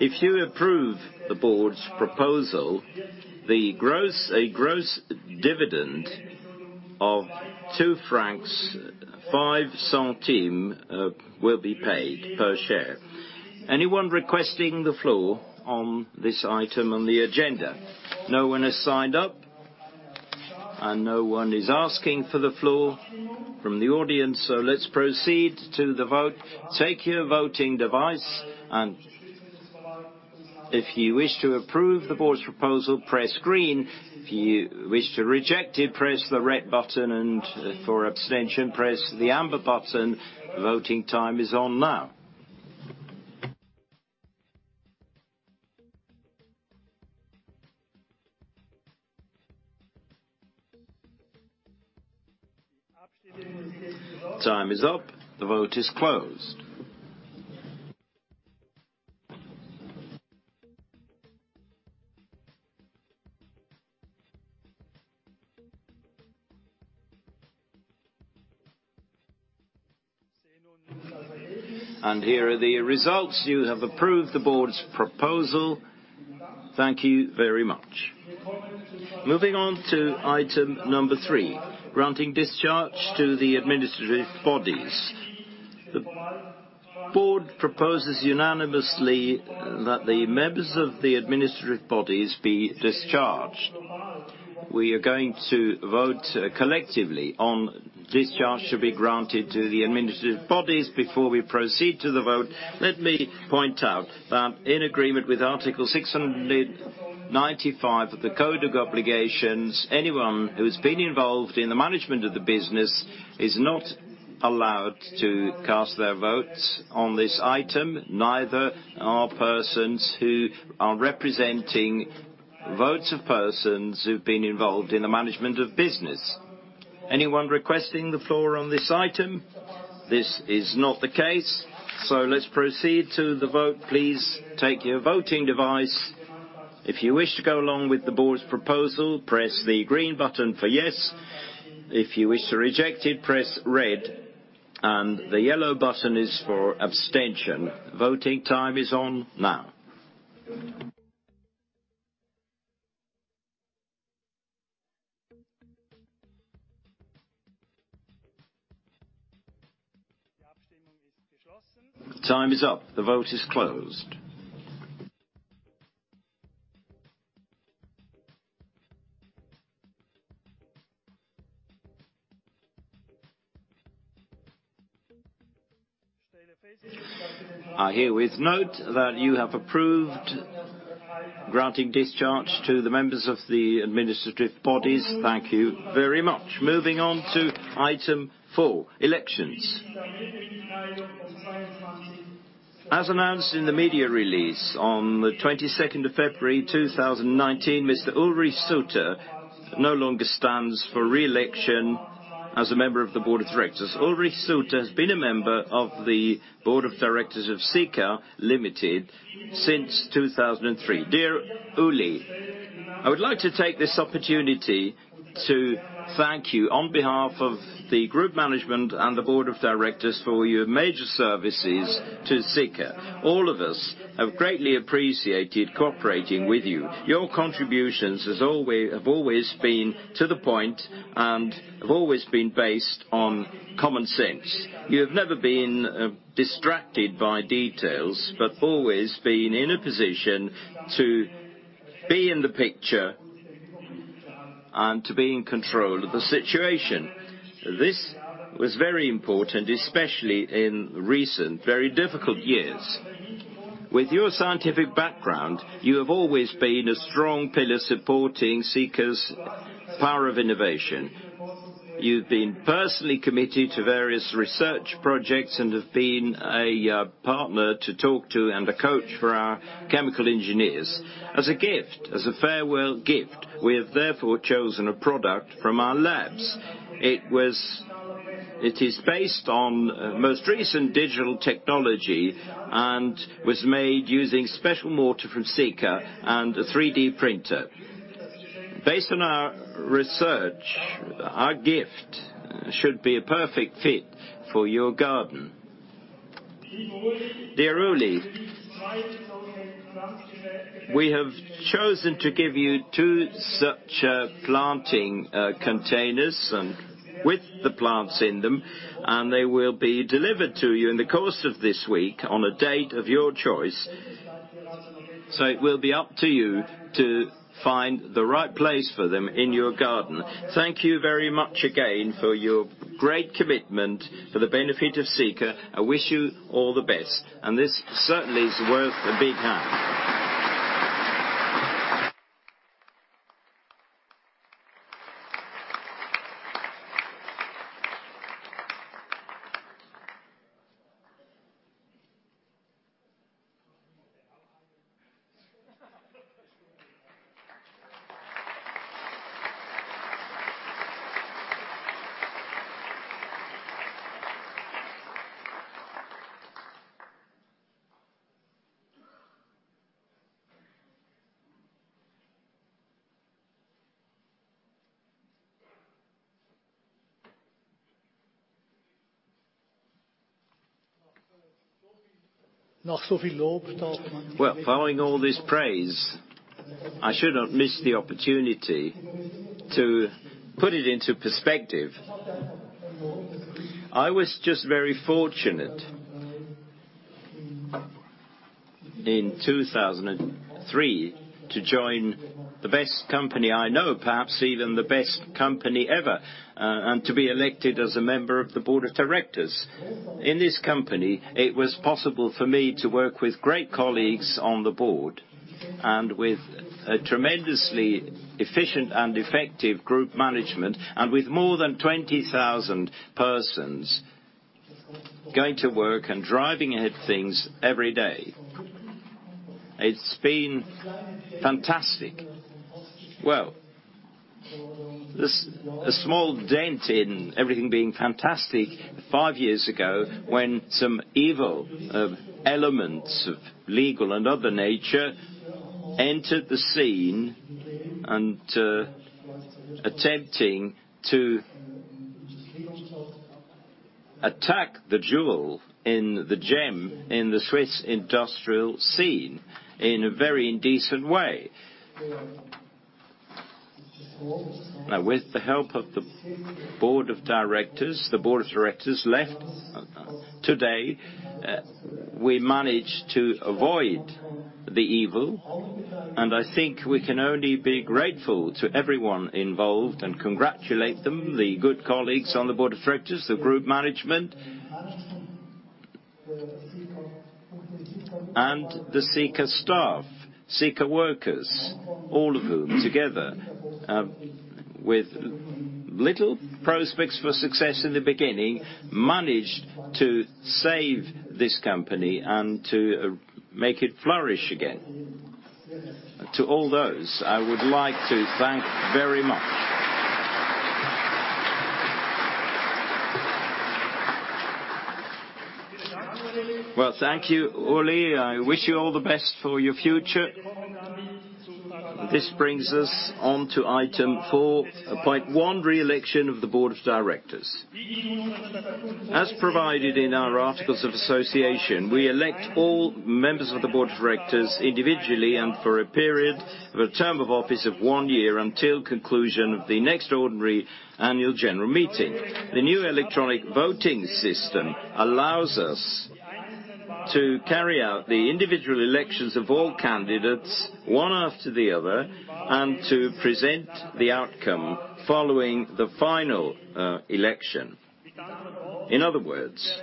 If you approve the board's proposal, a gross dividend of 2.05 francs will be paid per share. Anyone requesting the floor on this item on the agenda? No one has signed up and no one is asking for the floor from the audience. Let's proceed to the vote. Take your voting device. If you wish to approve the board's proposal, press green; if you wish to reject it, press the red button; for abstention, press the amber button. Voting time is on now. Time is up. The vote is closed. Here are the results. You have approved the board's proposal. Thank you very much. Moving on to item number three, granting discharge to the administrative bodies. The board proposes unanimously that the members of the administrative bodies be discharged. We are going to vote collectively on discharge should be granted to the administrative bodies. Before we proceed to the vote, let me point out that in agreement with Article 695 of the Code of Obligations, anyone who has been involved in the management of the business is not allowed to cast their votes on this item, neither are persons who are representing votes of persons who've been involved in the management of business. Anyone requesting the floor on this item? This is not the case. Let's proceed to the vote. Please take your voting device. If you wish to go along with the board's proposal, press the green button for yes; if you wish to reject it, press red; the yellow button is for abstention. Voting time is on now. Time is up. The vote is closed. I herewith note that you have approved granting discharge to the members of the administrative bodies. Thank you very much. Moving on to item four, elections. As announced in the media release on the 22nd of February, 2019, Mr. Ulrich Suter no longer stands for re-election as a member of the board of directors. Ulrich Suter has been a member of the board of directors of Sika AG since 2003. Dear Uli, I would like to take this opportunity to thank you on behalf of the group management and the board of directors for your major services to Sika. All of us have greatly appreciated cooperating with you. Your contributions have always been to the point and have always been based on common sense. You have never been distracted by details, but always been in a position to be in the picture and to be in control of the situation. This was very important, especially in recent, very difficult years. With your scientific background, you have always been a strong pillar supporting Sika's power of innovation. You've been personally committed to various research projects and have been a partner to talk to and a coach for our chemical engineers. As a farewell gift, we have therefore chosen a product from our labs. It is based on most recent digital technology and was made using special mortar from Sika and a 3D printer. Based on our research, our gift should be a perfect fit for your garden. Dear Uli, we have chosen to give you two such planting containers with the plants in them, and they will be delivered to you in the course of this week on a date of your choice. It will be up to you to find the right place for them in your garden. Thank you very much again for your great commitment for the benefit of Sika. This certainly is worth a big hand. Well, following all this praise, I should not miss the opportunity to put it into perspective. I was just very fortunate in 2003 to join the best company I know, perhaps even the best company ever, and to be elected as a member of the board of directors. In this company, it was possible for me to work with great colleagues on the board and with a tremendously efficient and effective group management, with more than 20,000 persons going to work and driving ahead things every day. It's been fantastic. Well, a small dent in everything being fantastic five years ago, when some evil elements of legal and other nature entered the scene and attempting to attack the jewel in the gem in the Swiss industrial scene in a very indecent way. With the help of the board of directors, the board of directors left today, we managed to avoid the evil. I think we can only be grateful to everyone involved and congratulate them, the good colleagues on the board of directors, the group management, and the Sika staff, Sika workers. All of whom, together, with little prospects for success in the beginning, managed to save this company and to make it flourish again. To all those, I would like to thank very much. Well, thank you, Uli. I wish you all the best for your future. This brings us on to item 4.1, re-election of the board of directors. As provided in our articles of association, we elect all members of the board of directors individually and for a period of a term of office of one year until conclusion of the next ordinary annual general meeting. The new electronic voting system allows us to carry out the individual elections of all candidates, one after the other, and to present the outcome following the final election. In other words,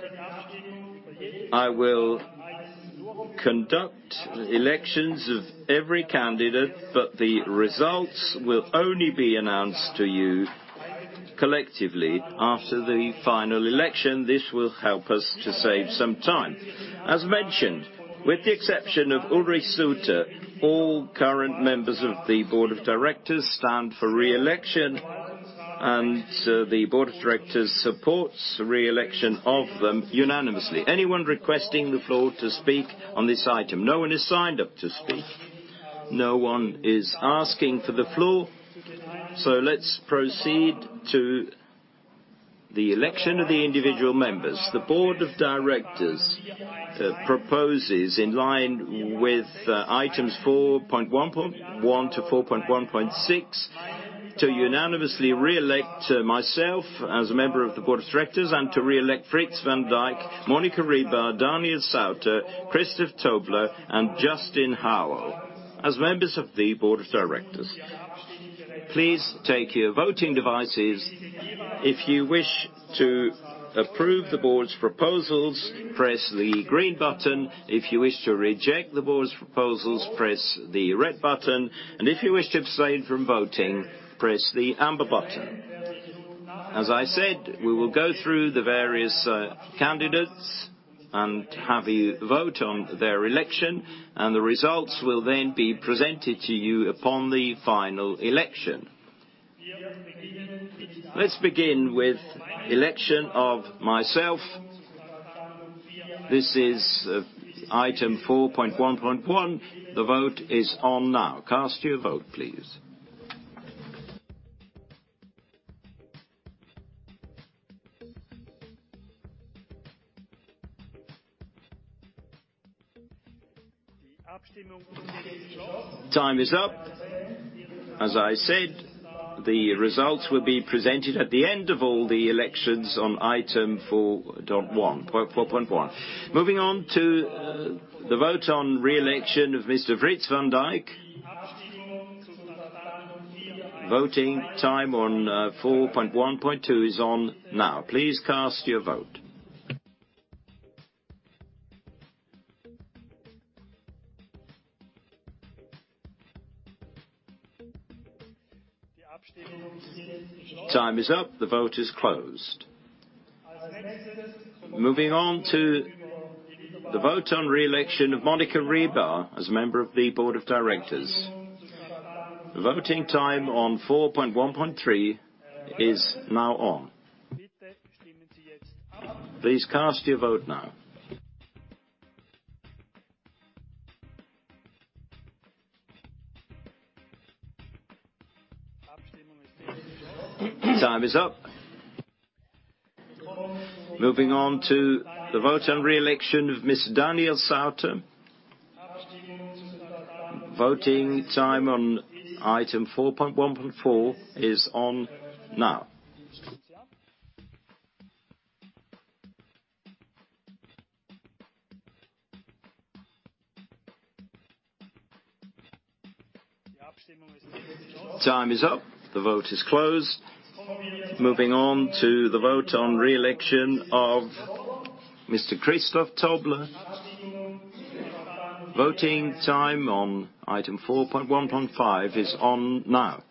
I will conduct elections of every candidate, but the results will only be announced to you collectively after the final election. This will help us to save some time. As mentioned, with the exception of Ulrich Suter, all current members of the board of directors stand for re-election. The board of directors supports re-election of them unanimously. Anyone requesting the floor to speak on this item? No one has signed up to speak. No one is asking for the floor. Let's proceed to the election of the individual members. The board of directors proposes, in line with items 4.1.1 to 4.1.6, to unanimously re-elect myself as a member of the board of directors and to re-elect Frits van Dijk, Monika Ribar, Daniel Sauter, Christoph Tobler, and Justin Howell as members of the board of directors. Please take your voting devices. If you wish to approve the board's proposals, press the green button. If you wish to reject the board's proposals, press the red button, and if you wish to abstain from voting, press the amber button. As I said, we will go through the various candidates and have you vote on their election, and the results will then be presented to you upon the final election. Let's begin with election of myself. This is item 4.1.1. The vote is on now. Cast your vote, please. Time is up. As I said, the results will be presented at the end of all the elections on item 4.1. Moving on to the vote on re-election of Mr. Frits van Dijk. Voting time on 4.1.2 is on now. Please cast your vote. Time is up. The vote is closed. Moving on to the vote on re-election of Monika Ribar as a member of the board of directors. Voting time on 4.1.3 is now on. Please cast your vote now. Time is up. Moving on to the vote on re-election of Mr. Daniel Sauter. Voting time on item 4.1.4 is on now. Time is up. The vote is closed. Moving on to the vote on re-election of Mr. Christoph Tobler. Voting time on item 4.1.5 is on now.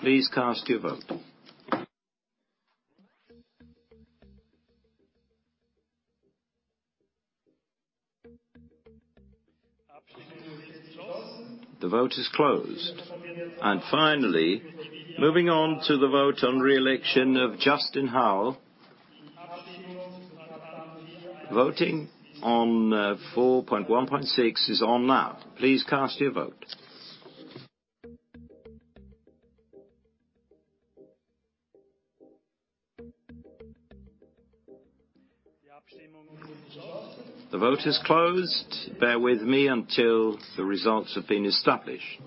Please cast your vote. The vote is closed. Finally, moving on to the vote on re-election of Justin Howell. Voting on 4.1.6 is on now. Please cast your vote. The vote is closed. Bear with me until the results have been established.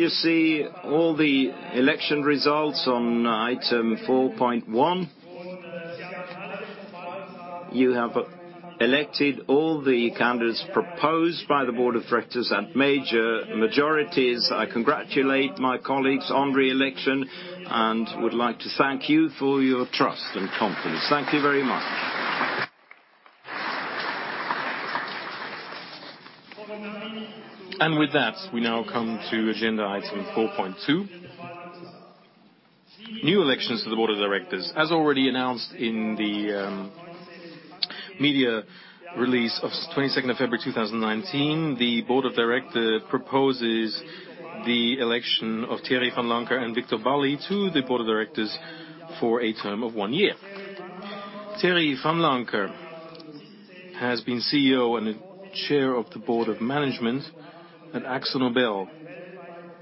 Here you see all the election results on item 4.1. You have elected all the candidates proposed by the board of directors and major majorities. I congratulate my colleagues on re-election and would like to thank you for your trust and confidence. Thank you very much. With that, we now come to agenda item 4.2. New elections to the board of directors. As already announced in the media release of 22nd of February 2019, the board of director proposes the election of Thierry Vanlancker and Viktor Balli to the board of directors for a term of one year. Thierry Vanlancker has been CEO and Chair of the board of management at AkzoNobel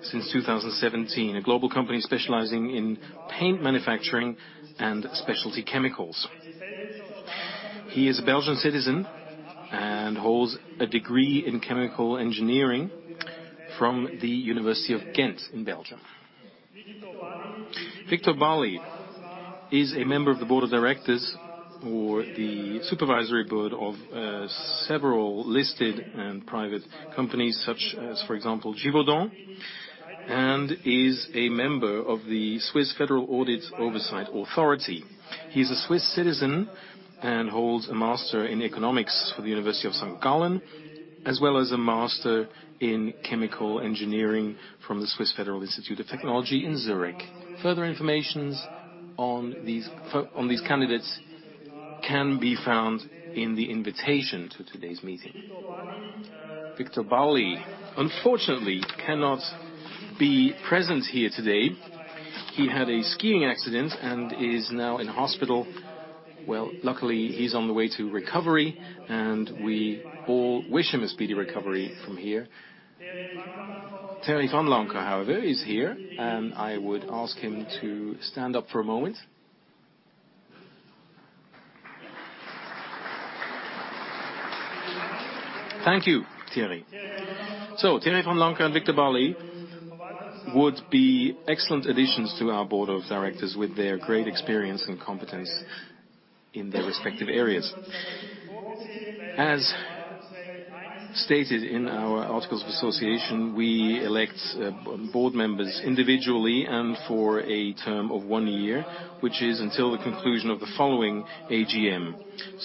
since 2017, a global company specializing in paint manufacturing and specialty chemicals. He is a Belgian citizen and holds a degree in chemical engineering from the University of Ghent in Belgium. Viktor Balli is a member of the board of directors or the supervisory board of several listed and private companies such as, for example, Givaudan, and is a member of the Swiss Federal Audit Oversight Authority. He is a Swiss citizen and holds a master in economics from the University of St. Gallen, as well as a master in chemical engineering from the Swiss Federal Institute of Technology in Zurich. Further information on these candidates can be found in the invitation to today's meeting. Viktor Balli, unfortunately, cannot be present here today. He had a skiing accident and is now in hospital. Luckily he is on the way to recovery, and we all wish him a speedy recovery from here. Thierry Vanlancker, however, is here, and I would ask him to stand up for a moment. Thank you, Thierry. Thierry Vanlancker and Viktor Balli would be excellent additions to our board of directors with their great experience and competence in their respective areas. As stated in our articles of association, we elect board members individually and for a term of one year, which is until the conclusion of the following AGM.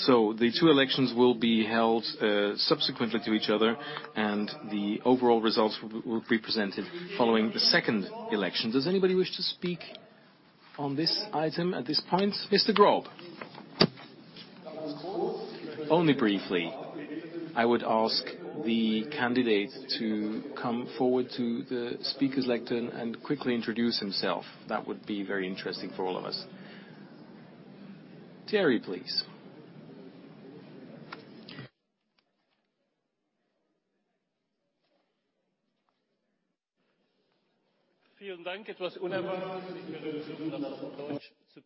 The two elections will be held subsequently to each other, and the overall results will be presented following the second election. Does anybody wish to speak on this item at this point? Mr. Grob. Only briefly. I would ask the candidate to come forward to the speaker's lectern and quickly introduce himself. That would be very interesting for all of us. Thierry, please. It is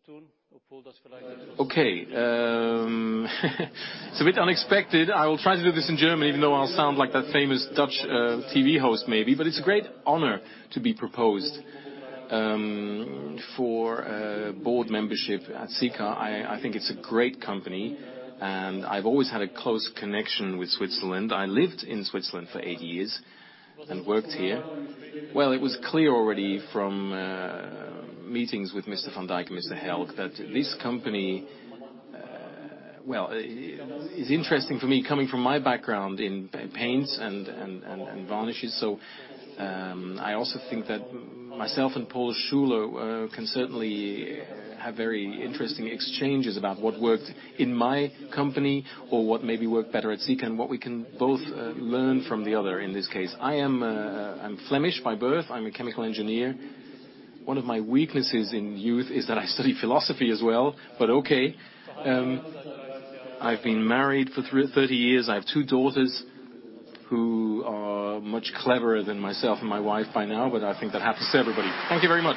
a bit unexpected. I will try to do this in German, even though I will sound like that famous Dutch TV host maybe, but it is a great honor to be proposed for board membership at Sika. I think it is a great company, and I have always had a close connection with Switzerland. I lived in Switzerland for eight years and worked here. It was clear already from meetings with Mr. van Dijk and Mr. Hälg that this company is interesting for me, coming from my background in paints and varnishes. I also think that myself and Paul Schuler can certainly have very interesting exchanges about what worked in my company or what maybe worked better at Sika, and what we can both learn from the other in this case. I am Flemish by birth. I am a chemical engineer. One of my weaknesses in youth is that I studied philosophy as well, but okay. I have been married for 30 years. I have two daughters who are much cleverer than myself and my wife by now, but I think that had to say everybody. Thank you very much.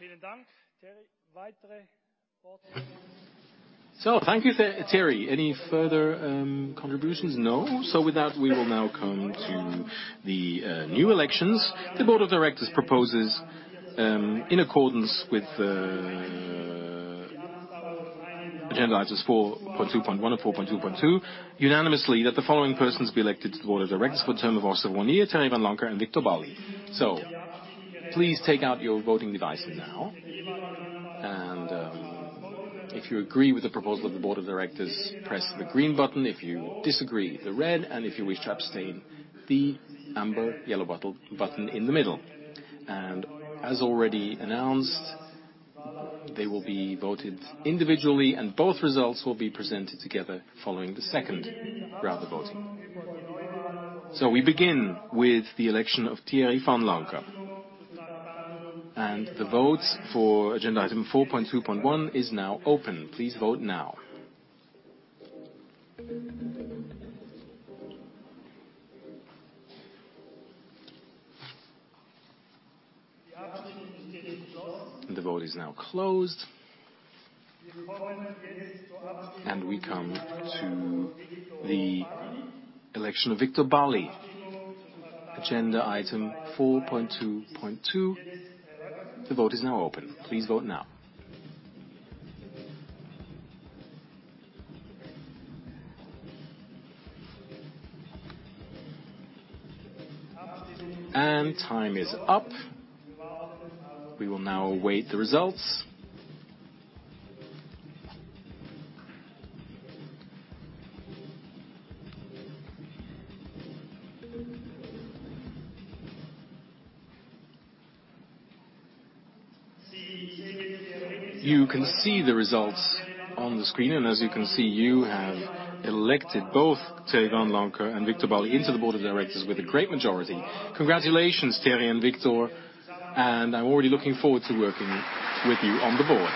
Thank you, Thierry. Any further contributions? No. With that, we will now come to the new elections. The board of directors proposes in accordance with agenda items 4.2.1 and 4.2.2 unanimously that the following persons be elected to the board of directors for a term of also one year, Thierry Vanlancker and Viktor Balli. Please take out your voting devices now. If you agree with the proposal of the board of directors, press the green button. If you disagree, the red, and if you wish to abstain, the amber yellow button in the middle. As already announced, they will be voted individually, and both results will be presented together following the second round of voting. We begin with the election of Thierry Vanlancker. The vote for agenda item 4.2.1 is now open. Please vote now. The vote is now closed. We come to the election of Viktor Balli. Agenda item 4.2.2. The vote is now open. Please vote now. Time is up. We will now await the results. You can see the results on the screen. As you can see, you have elected both Thierry Vanlancker and Viktor Balli into the board of directors with a great majority. Congratulations, Thierry and Viktor. I'm already looking forward to working with you on the board.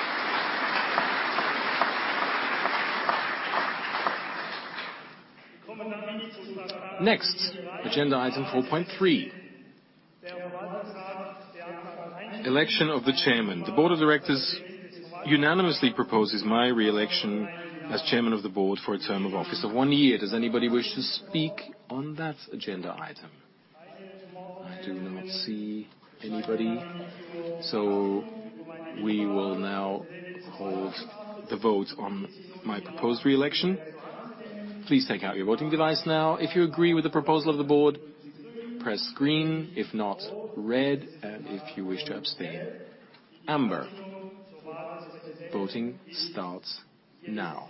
We come now to agenda item 4.3. Election of the chairman. The board of directors unanimously proposes my re-election as chairman of the board for a term of office of one year. Does anybody wish to speak on that agenda item? I do not see anybody. We will now hold the vote on my proposed re-election. Please take out your voting device now. If you agree with the proposal of the board, press green. If not, red. If you wish to abstain, amber. Voting starts now.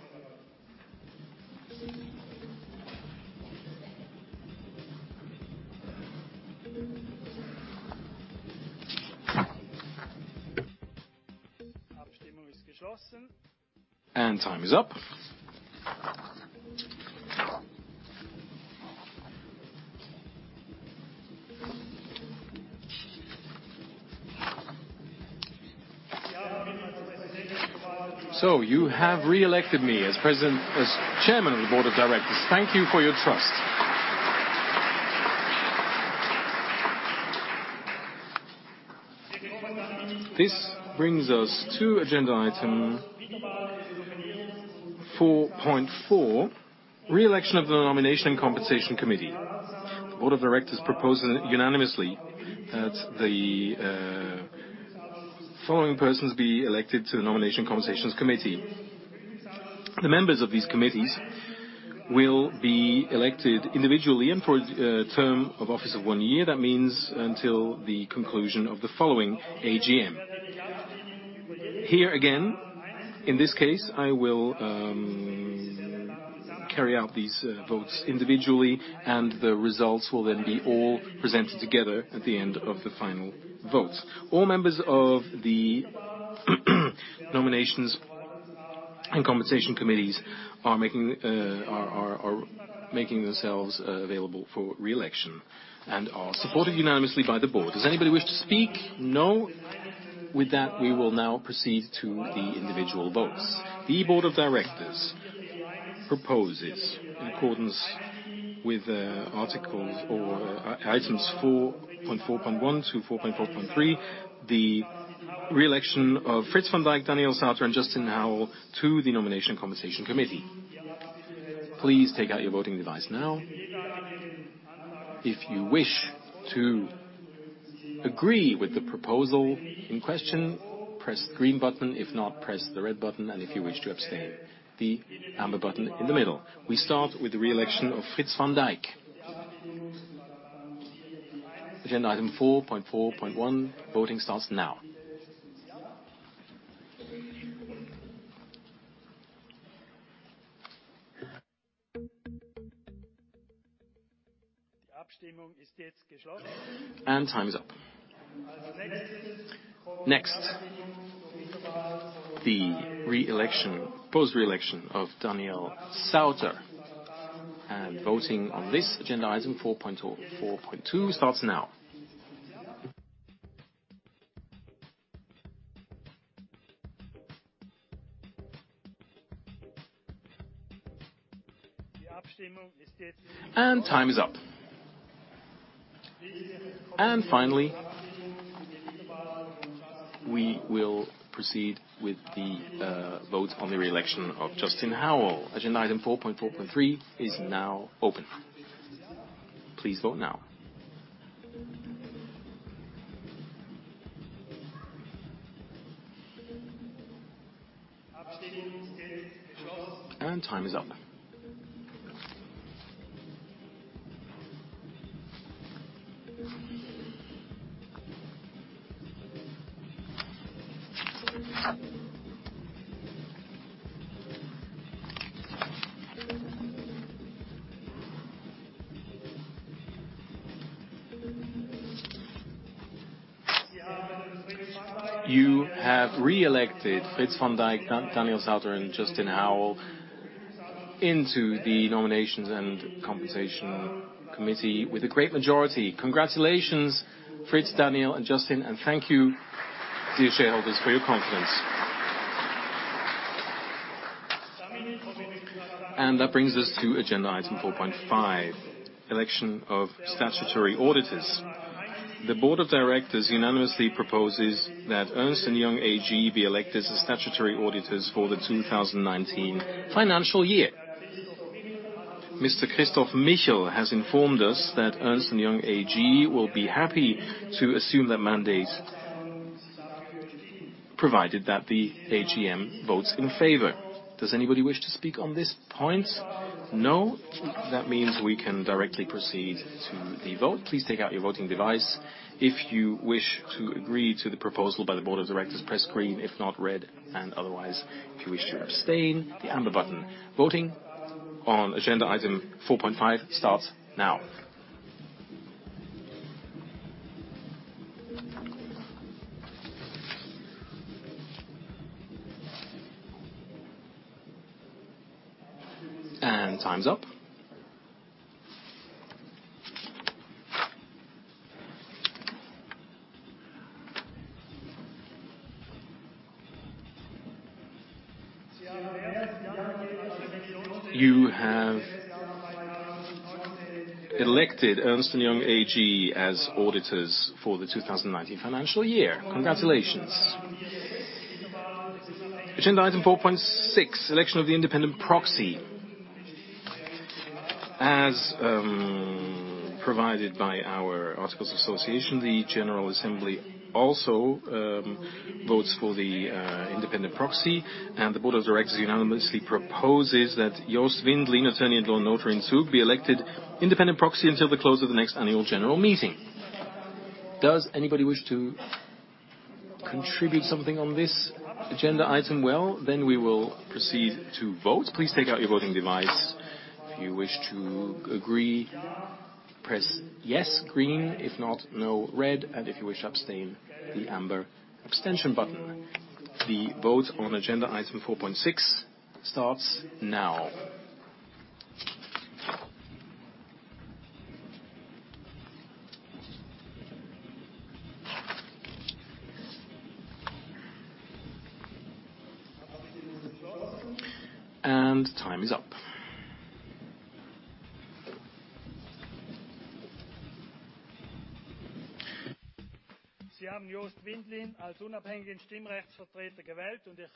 Time is up. You have re-elected me as chairman of the board of directors. Thank you for your trust. This brings us to agenda item 4.4, re-election of the nomination and compensation committee. The board of directors propose unanimously that the following persons be elected to the nomination and compensation committee. The members of these committees will be elected individually for a term of office of one year. That means until the conclusion of the following AGM. Here again, in this case, I will carry out these votes individually. The results will then be all presented together at the end of the final vote. All members of the nominations and compensation committees are making themselves available for re-election and are supported unanimously by the board. Does anybody wish to speak? No. With that, we will now proceed to the individual votes. The board of directors proposes, in accordance with items 4.4.1 to 4.4.3, the re-election of Frits van Dijk, Daniel Sauter, and Justin Howell to the nomination and compensation committee. Please take out your voting device now. If you wish to agree with the proposal in question, press the green button. If not, press the red button. If you wish to abstain, the amber button in the middle. We start with the re-election of Frits van Dijk. Agenda item 4.4.1. Voting starts now. Time is up. Next, the proposed re-election of Daniel Sauter. Voting on this agenda item, 4.4.2, starts now. Time is up. Finally, we will proceed with the vote on the re-election of Justin Howell. Agenda item 4.4.3 is now open. Please vote now. Time is up. You have re-elected Frits van Dijk, Daniel Sauter, and Justin Howell into the nominations and compensation committee with a great majority. Congratulations, Frits, Daniel, and Justin. Thank you, dear shareholders, for your confidence. That brings us to agenda item 4.5, election of statutory auditors. The board of directors unanimously proposes that Ernst & Young AG be elected as statutory auditors for the 2019 financial year. Mr. Christoph Michel has informed us that Ernst & Young AG will be happy to assume that mandate, provided that the AGM votes in favor. Does anybody wish to speak on this point? No. That means we can directly proceed to the vote. Please take out your voting device. If you wish to agree to the proposal by the board of directors, press green. If not, red. Otherwise, if you wish to abstain, the amber button. Voting on agenda item 4.5 starts now. Time's up. You have elected Ernst & Young AG as auditors for the 2019 financial year. Congratulations. Agenda item 4.6, election of the independent proxy. As provided by our articles of association, the general assembly also votes for the independent proxy. The board of directors unanimously proposes that Jost Windlin, attorney at law and notary in Zug, be elected independent proxy until the close of the next annual general meeting. Does anybody wish to contribute something on this agenda item? Then we will proceed to vote. Please take out your voting device. If you wish to agree, press yes, green. If not, no, red. If you wish to abstain, the amber abstention button. The vote on agenda item 4.6 starts now. Time is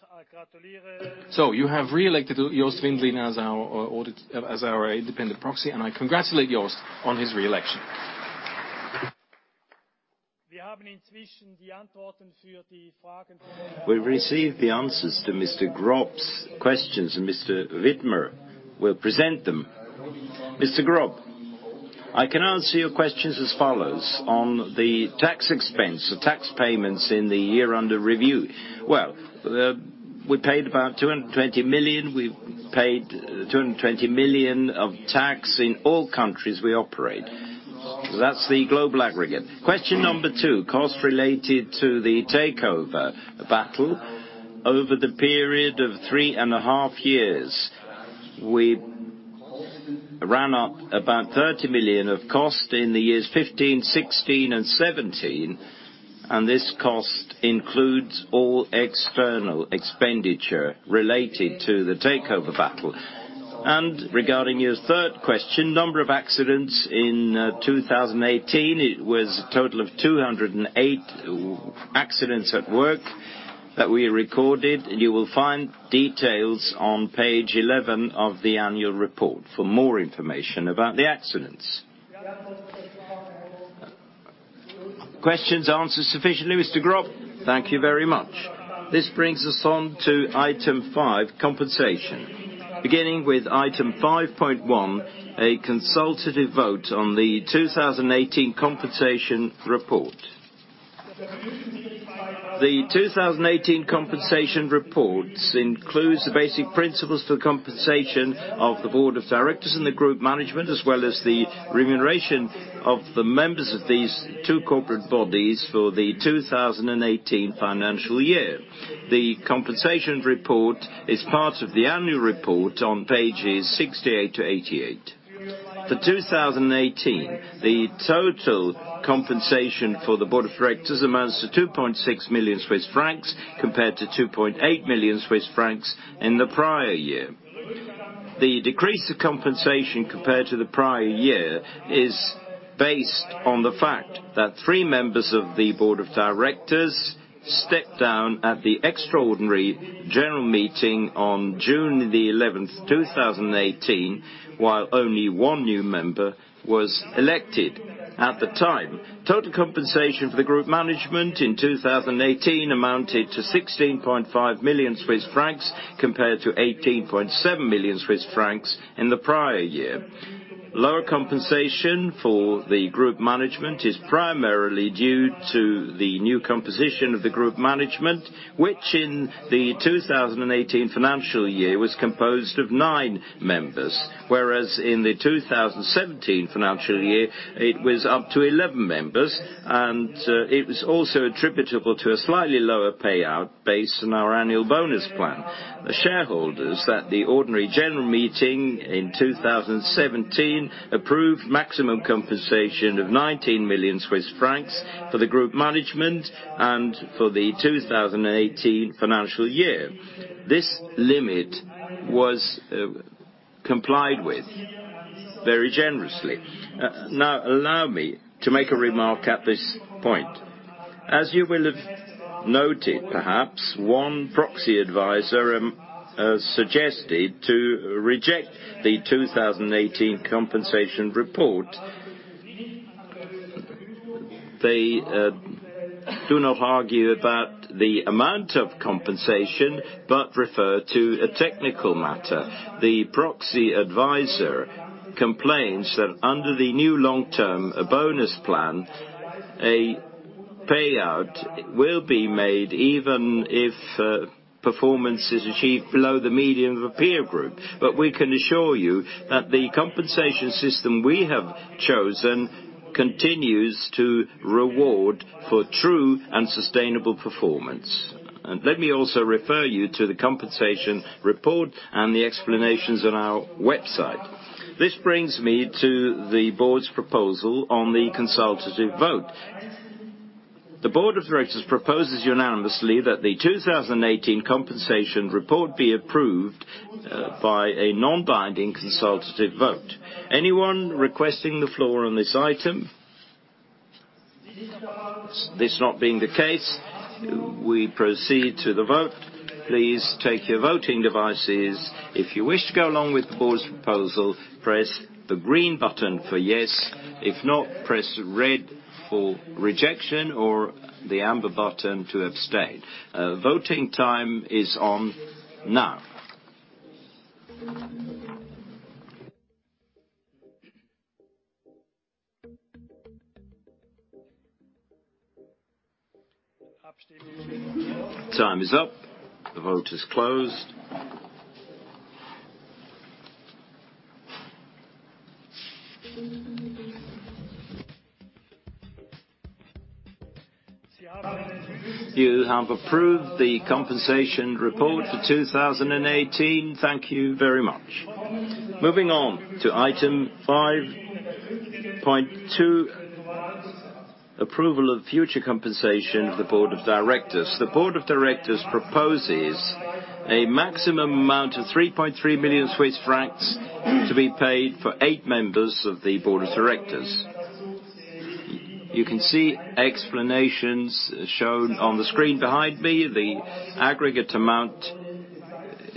up. You have reelected Jost Windlin as our independent proxy. I congratulate Jost on his reelection. We received the answers to Mr. Grob's questions. Mr. Widmer will present them. Mr. Grob, I can answer your questions as follows. On the tax expense, the tax payments in the year under review. We paid about 220 million. We paid 220 million of tax in all countries we operate. That's the global aggregate. Question number 2, cost related to the takeover battle. Over the period of three and a half years, we ran up about 30 million of cost in the years 2015, 2016, and 2017. This cost includes all external expenditure related to the takeover battle. Regarding your third question, number of accidents in 2018, it was a total of 208 accidents at work that we recorded. You will find details on page 11 of the annual report for more information about the accidents. Questions answered sufficiently, Mr. Grob? Thank you very much. This brings us on to item five, compensation. Beginning with item 5.1, a consultative vote on the 2018 compensation report. The 2018 compensation report includes the basic principles for compensation of the board of directors and the group management, as well as the remuneration of the members of these two corporate bodies for the 2018 financial year. The compensation report is part of the annual report on pages 68 to 88. For 2018, the total compensation for the board of directors amounts to 2.6 million Swiss francs compared to 2.8 million Swiss francs in the prior year. The decrease of compensation compared to the prior year is based on the fact that three members of the board of directors stepped down at the extraordinary general meeting on June 11th, 2018, while only one new member was elected at the time. Total compensation for the group management in 2018 amounted to 16.5 million Swiss francs compared to 18.7 million Swiss francs in the prior year. Lower compensation for the group management is primarily due to the new composition of the group management, which in the 2018 financial year was composed of nine members, whereas in the 2017 financial year, it was up to 11 members. It was also attributable to a slightly lower payout based on our annual bonus plan. The shareholders at the ordinary general meeting in 2017 approved maximum compensation of 19 million Swiss francs for the group management and for the 2018 financial year. This limit was complied with very generously. Allow me to make a remark at this point. As you will have noted perhaps, one proxy advisor suggested to reject the 2018 compensation report. They do not argue about the amount of compensation but refer to a technical matter. The proxy advisor complains that under the new long-term bonus plan, a payout will be made even if performance is achieved below the median of a peer group. But we can assure you that the compensation system we have chosen continues to reward for true and sustainable performance. Let me also refer you to the compensation report and the explanations on our website. This brings me to the board's proposal on the consultative vote. The board of directors proposes unanimously that the 2018 compensation report be approved by a non-binding consultative vote. Anyone requesting the floor on this item? This not being the case, we proceed to the vote. Please take your voting devices. If you wish to go along with the board's proposal, press the green button for yes. If not, press red for rejection or the amber button to abstain. Voting time is on now. Time is up. The vote is closed. You have approved the compensation report for 2018. Thank you very much. Moving on to item 5.2, approval of future compensation of the board of directors. The board of directors proposes a maximum amount of 3.3 million Swiss francs to be paid for eight members of the board of directors. You can see explanations shown on the screen behind me. The aggregate amount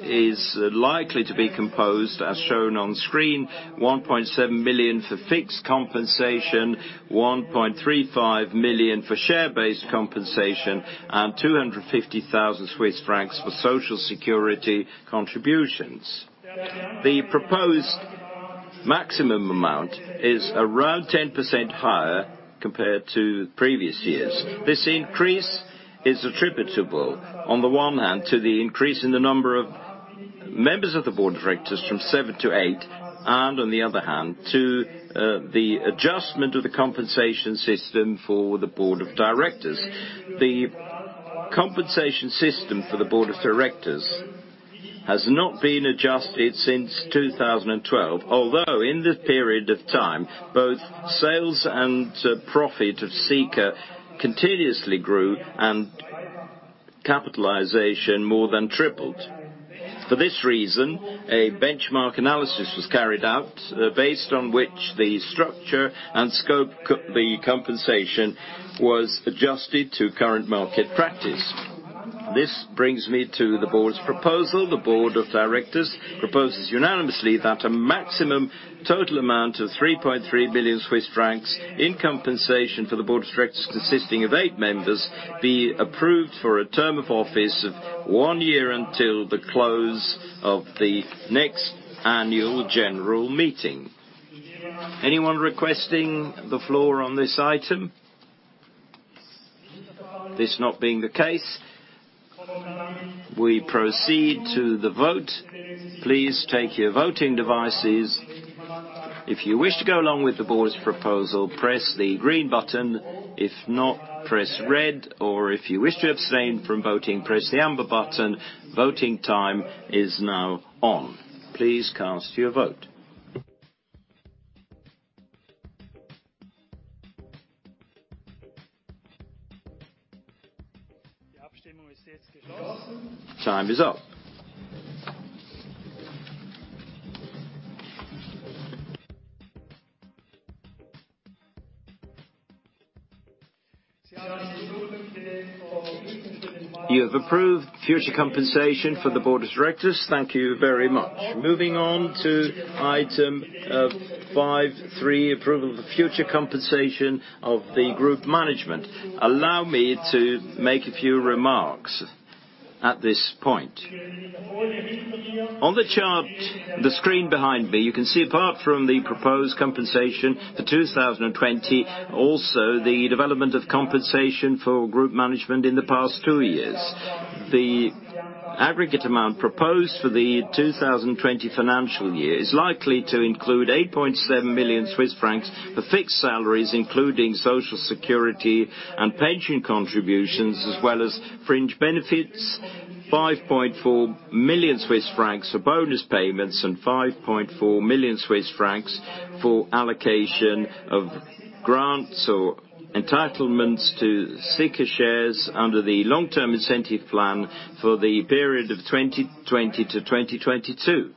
is likely to be composed, as shown on screen, 1.7 million for fixed compensation, 1.35 million for share-based compensation, and 250,000 Swiss francs for Social Security contributions. The proposed maximum amount is around 10% higher compared to previous years. This increase is attributable, on the one hand, to the increase in the number of members of the board of directors from seven to eight, and on the other hand, to the adjustment of the compensation system for the board of directors. The compensation system for the board of directors has not been adjusted since 2012. In this period of time, both sales and profit of Sika continuously grew and capitalization more than tripled. For this reason, a benchmark analysis was carried out, based on which the structure and scope of the compensation was adjusted to current market practice. This brings me to the board's proposal. The Board of Directors proposes unanimously that a maximum total amount of 3.3 million Swiss francs in compensation for the Board of Directors, consisting of eight members, be approved for a term of office of one year until the close of the next annual general meeting. Anyone requesting the floor on this item? This not being the case, we proceed to the vote. Please take your voting devices. If you wish to go along with the Board's proposal, press the green button. If not, press red. Or if you wish to abstain from voting, press the amber button. Voting time is now on. Please cast your vote. Time is up. You have approved future compensation for the Board of Directors. Thank you very much. Moving on to item 5.3, approval of the future compensation of the Group Management. Allow me to make a few remarks at this point. On the chart, the screen behind me, you can see apart from the proposed compensation for 2020, also the development of compensation for Group Management in the past two years. The aggregate amount proposed for the 2020 financial year is likely to include 8.7 million Swiss francs for fixed salaries, including Social Security and pension contributions, as well as fringe benefits. 5.4 million Swiss francs for bonus payments and 5.4 million Swiss francs for allocation of grants or entitlements to Sika shares under the long-term incentive plan for the period of 2020 to 2022.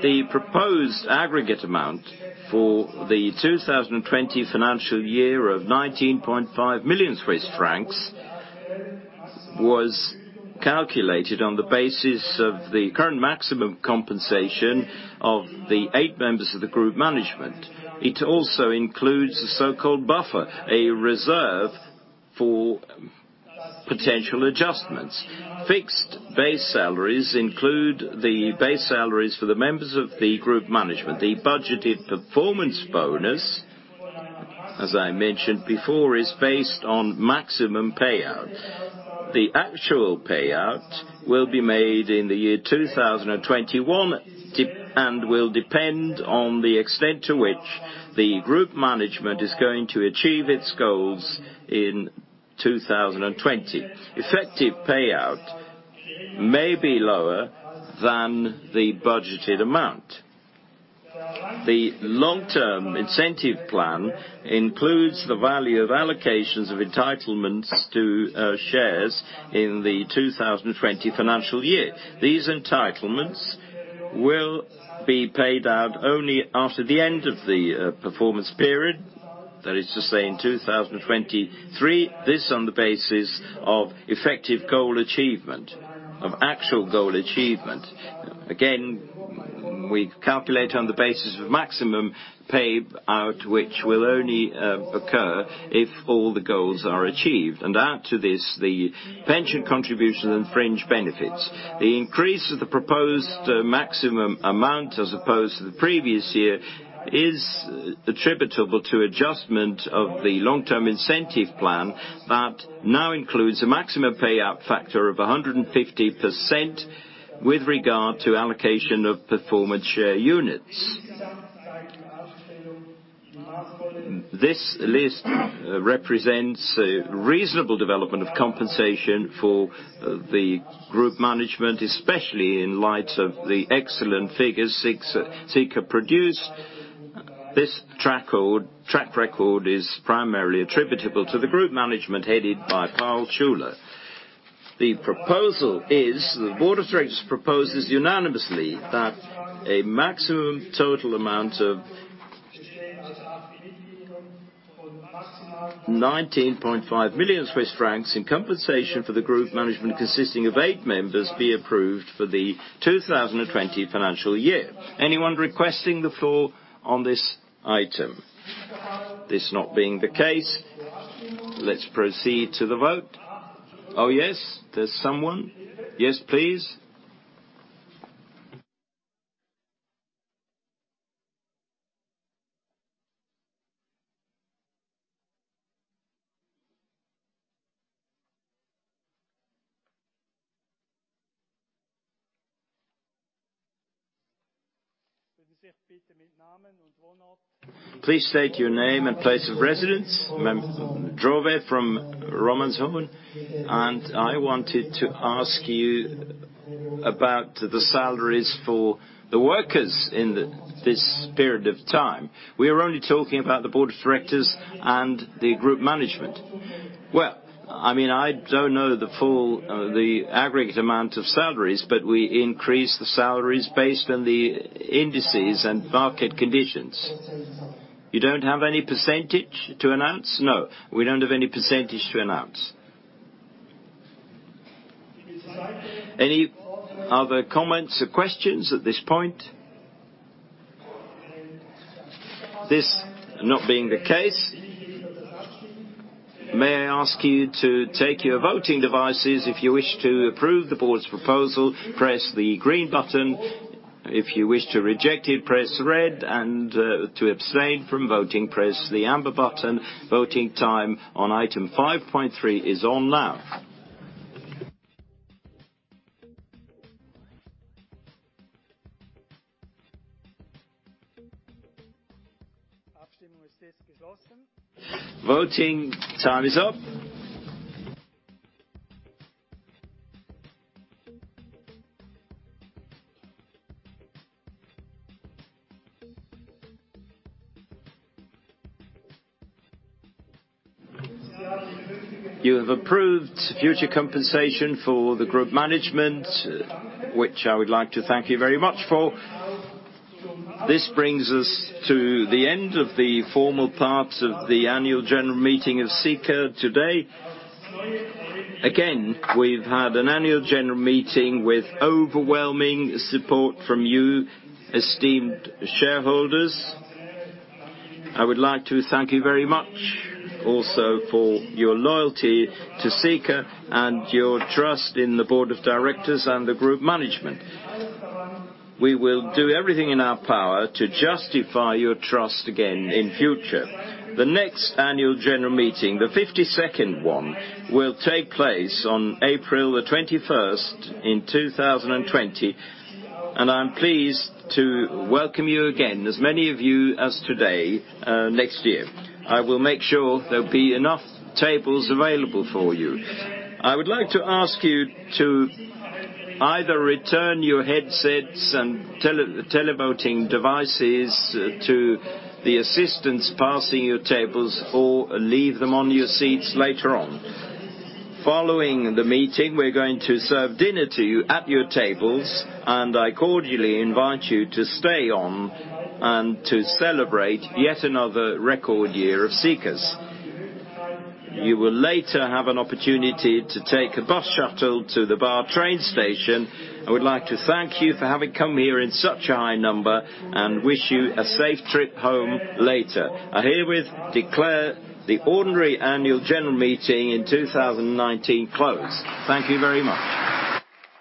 The proposed aggregate amount for the 2020 financial year of 19.5 million Swiss francs was calculated on the basis of the current maximum compensation of the eight members of the Group Management. It also includes a so-called buffer, a reserve for potential adjustments. Fixed base salaries include the base salaries for the members of the Group Management. The budgeted performance bonus, as I mentioned before, is based on maximum payout. The actual payout will be made in the year 2021, and will depend on the extent to which the Group Management is going to achieve its goals in 2020. Effective payout may be lower than the budgeted amount. The long-term incentive plan includes the value of allocations of entitlements to shares in the 2020 financial year. These entitlements will be paid out only after the end of the performance period, that is to say, in 2023. This on the basis of effective goal achievement, of actual goal achievement. Again, we calculate on the basis of maximum payout, which will only occur if all the goals are achieved. Add to this, the pension contribution and fringe benefits. The increase of the proposed maximum amount as opposed to the previous year is attributable to adjustment of the long-term incentive plan that now includes a maximum payout factor of 150% with regard to allocation of performance share units. This list represents a reasonable development of compensation for the Group Management, especially in light of the excellent figures Sika produced. This track record is primarily attributable to the Group Management headed by Paul Schuler. The proposal is, the Board of Directors proposes unanimously that a maximum total amount of 19.5 million Swiss francs in compensation for the Group Management consisting of eight members be approved for the 2020 financial year. Anyone requesting the floor on this item? This not being the case, let's proceed to the vote. Oh yes, there's someone. Yes, please. Please state your name and place of residence. [inaudible] from Romanshorn, I wanted to ask you about the salaries for the workers in this period of time. We are only talking about the Board of Directors and the Group Management. Well, I don't know the full aggregate amount of salaries, but we increase the salaries based on the indices and market conditions. You don't have any percentage to announce? No, we don't have any percentage to announce. Any other comments or questions at this point? This not being the case, may I ask you to take your voting devices. If you wish to approve the Board's proposal, press the green button. If you wish to reject it, press red. To abstain from voting, press the amber button. Voting time on item 5.3 is on now. Voting time is up. You have approved future compensation for the Group Management, which I would like to thank you very much for. This brings us to the end of the formal part of the annual general meeting of Sika today. Again, we've had an annual general meeting with overwhelming support from you esteemed shareholders. I would like to thank you very much also for your loyalty to Sika and your trust in the Board of Directors and the Group Management. We will do everything in our power to justify your trust again in future. The next annual general meeting, the 52nd one, will take place on April 21st in 2020, I'm pleased to welcome you again, as many of you as today, next year. I will make sure there'll be enough tables available for you. I would like to ask you to either return your headsets and tele-voting devices to the assistants passing your tables or leave them on your seats later on. Following the meeting, we're going to serve dinner to you at your tables, I cordially invite you to stay on and to celebrate yet another record year of Sika's. You will later have an opportunity to take a bus shuttle to the Baar train station. I would like to thank you for having come here in such a high number and wish you a safe trip home later. I herewith declare the ordinary annual general meeting in 2019 closed. Thank you very much.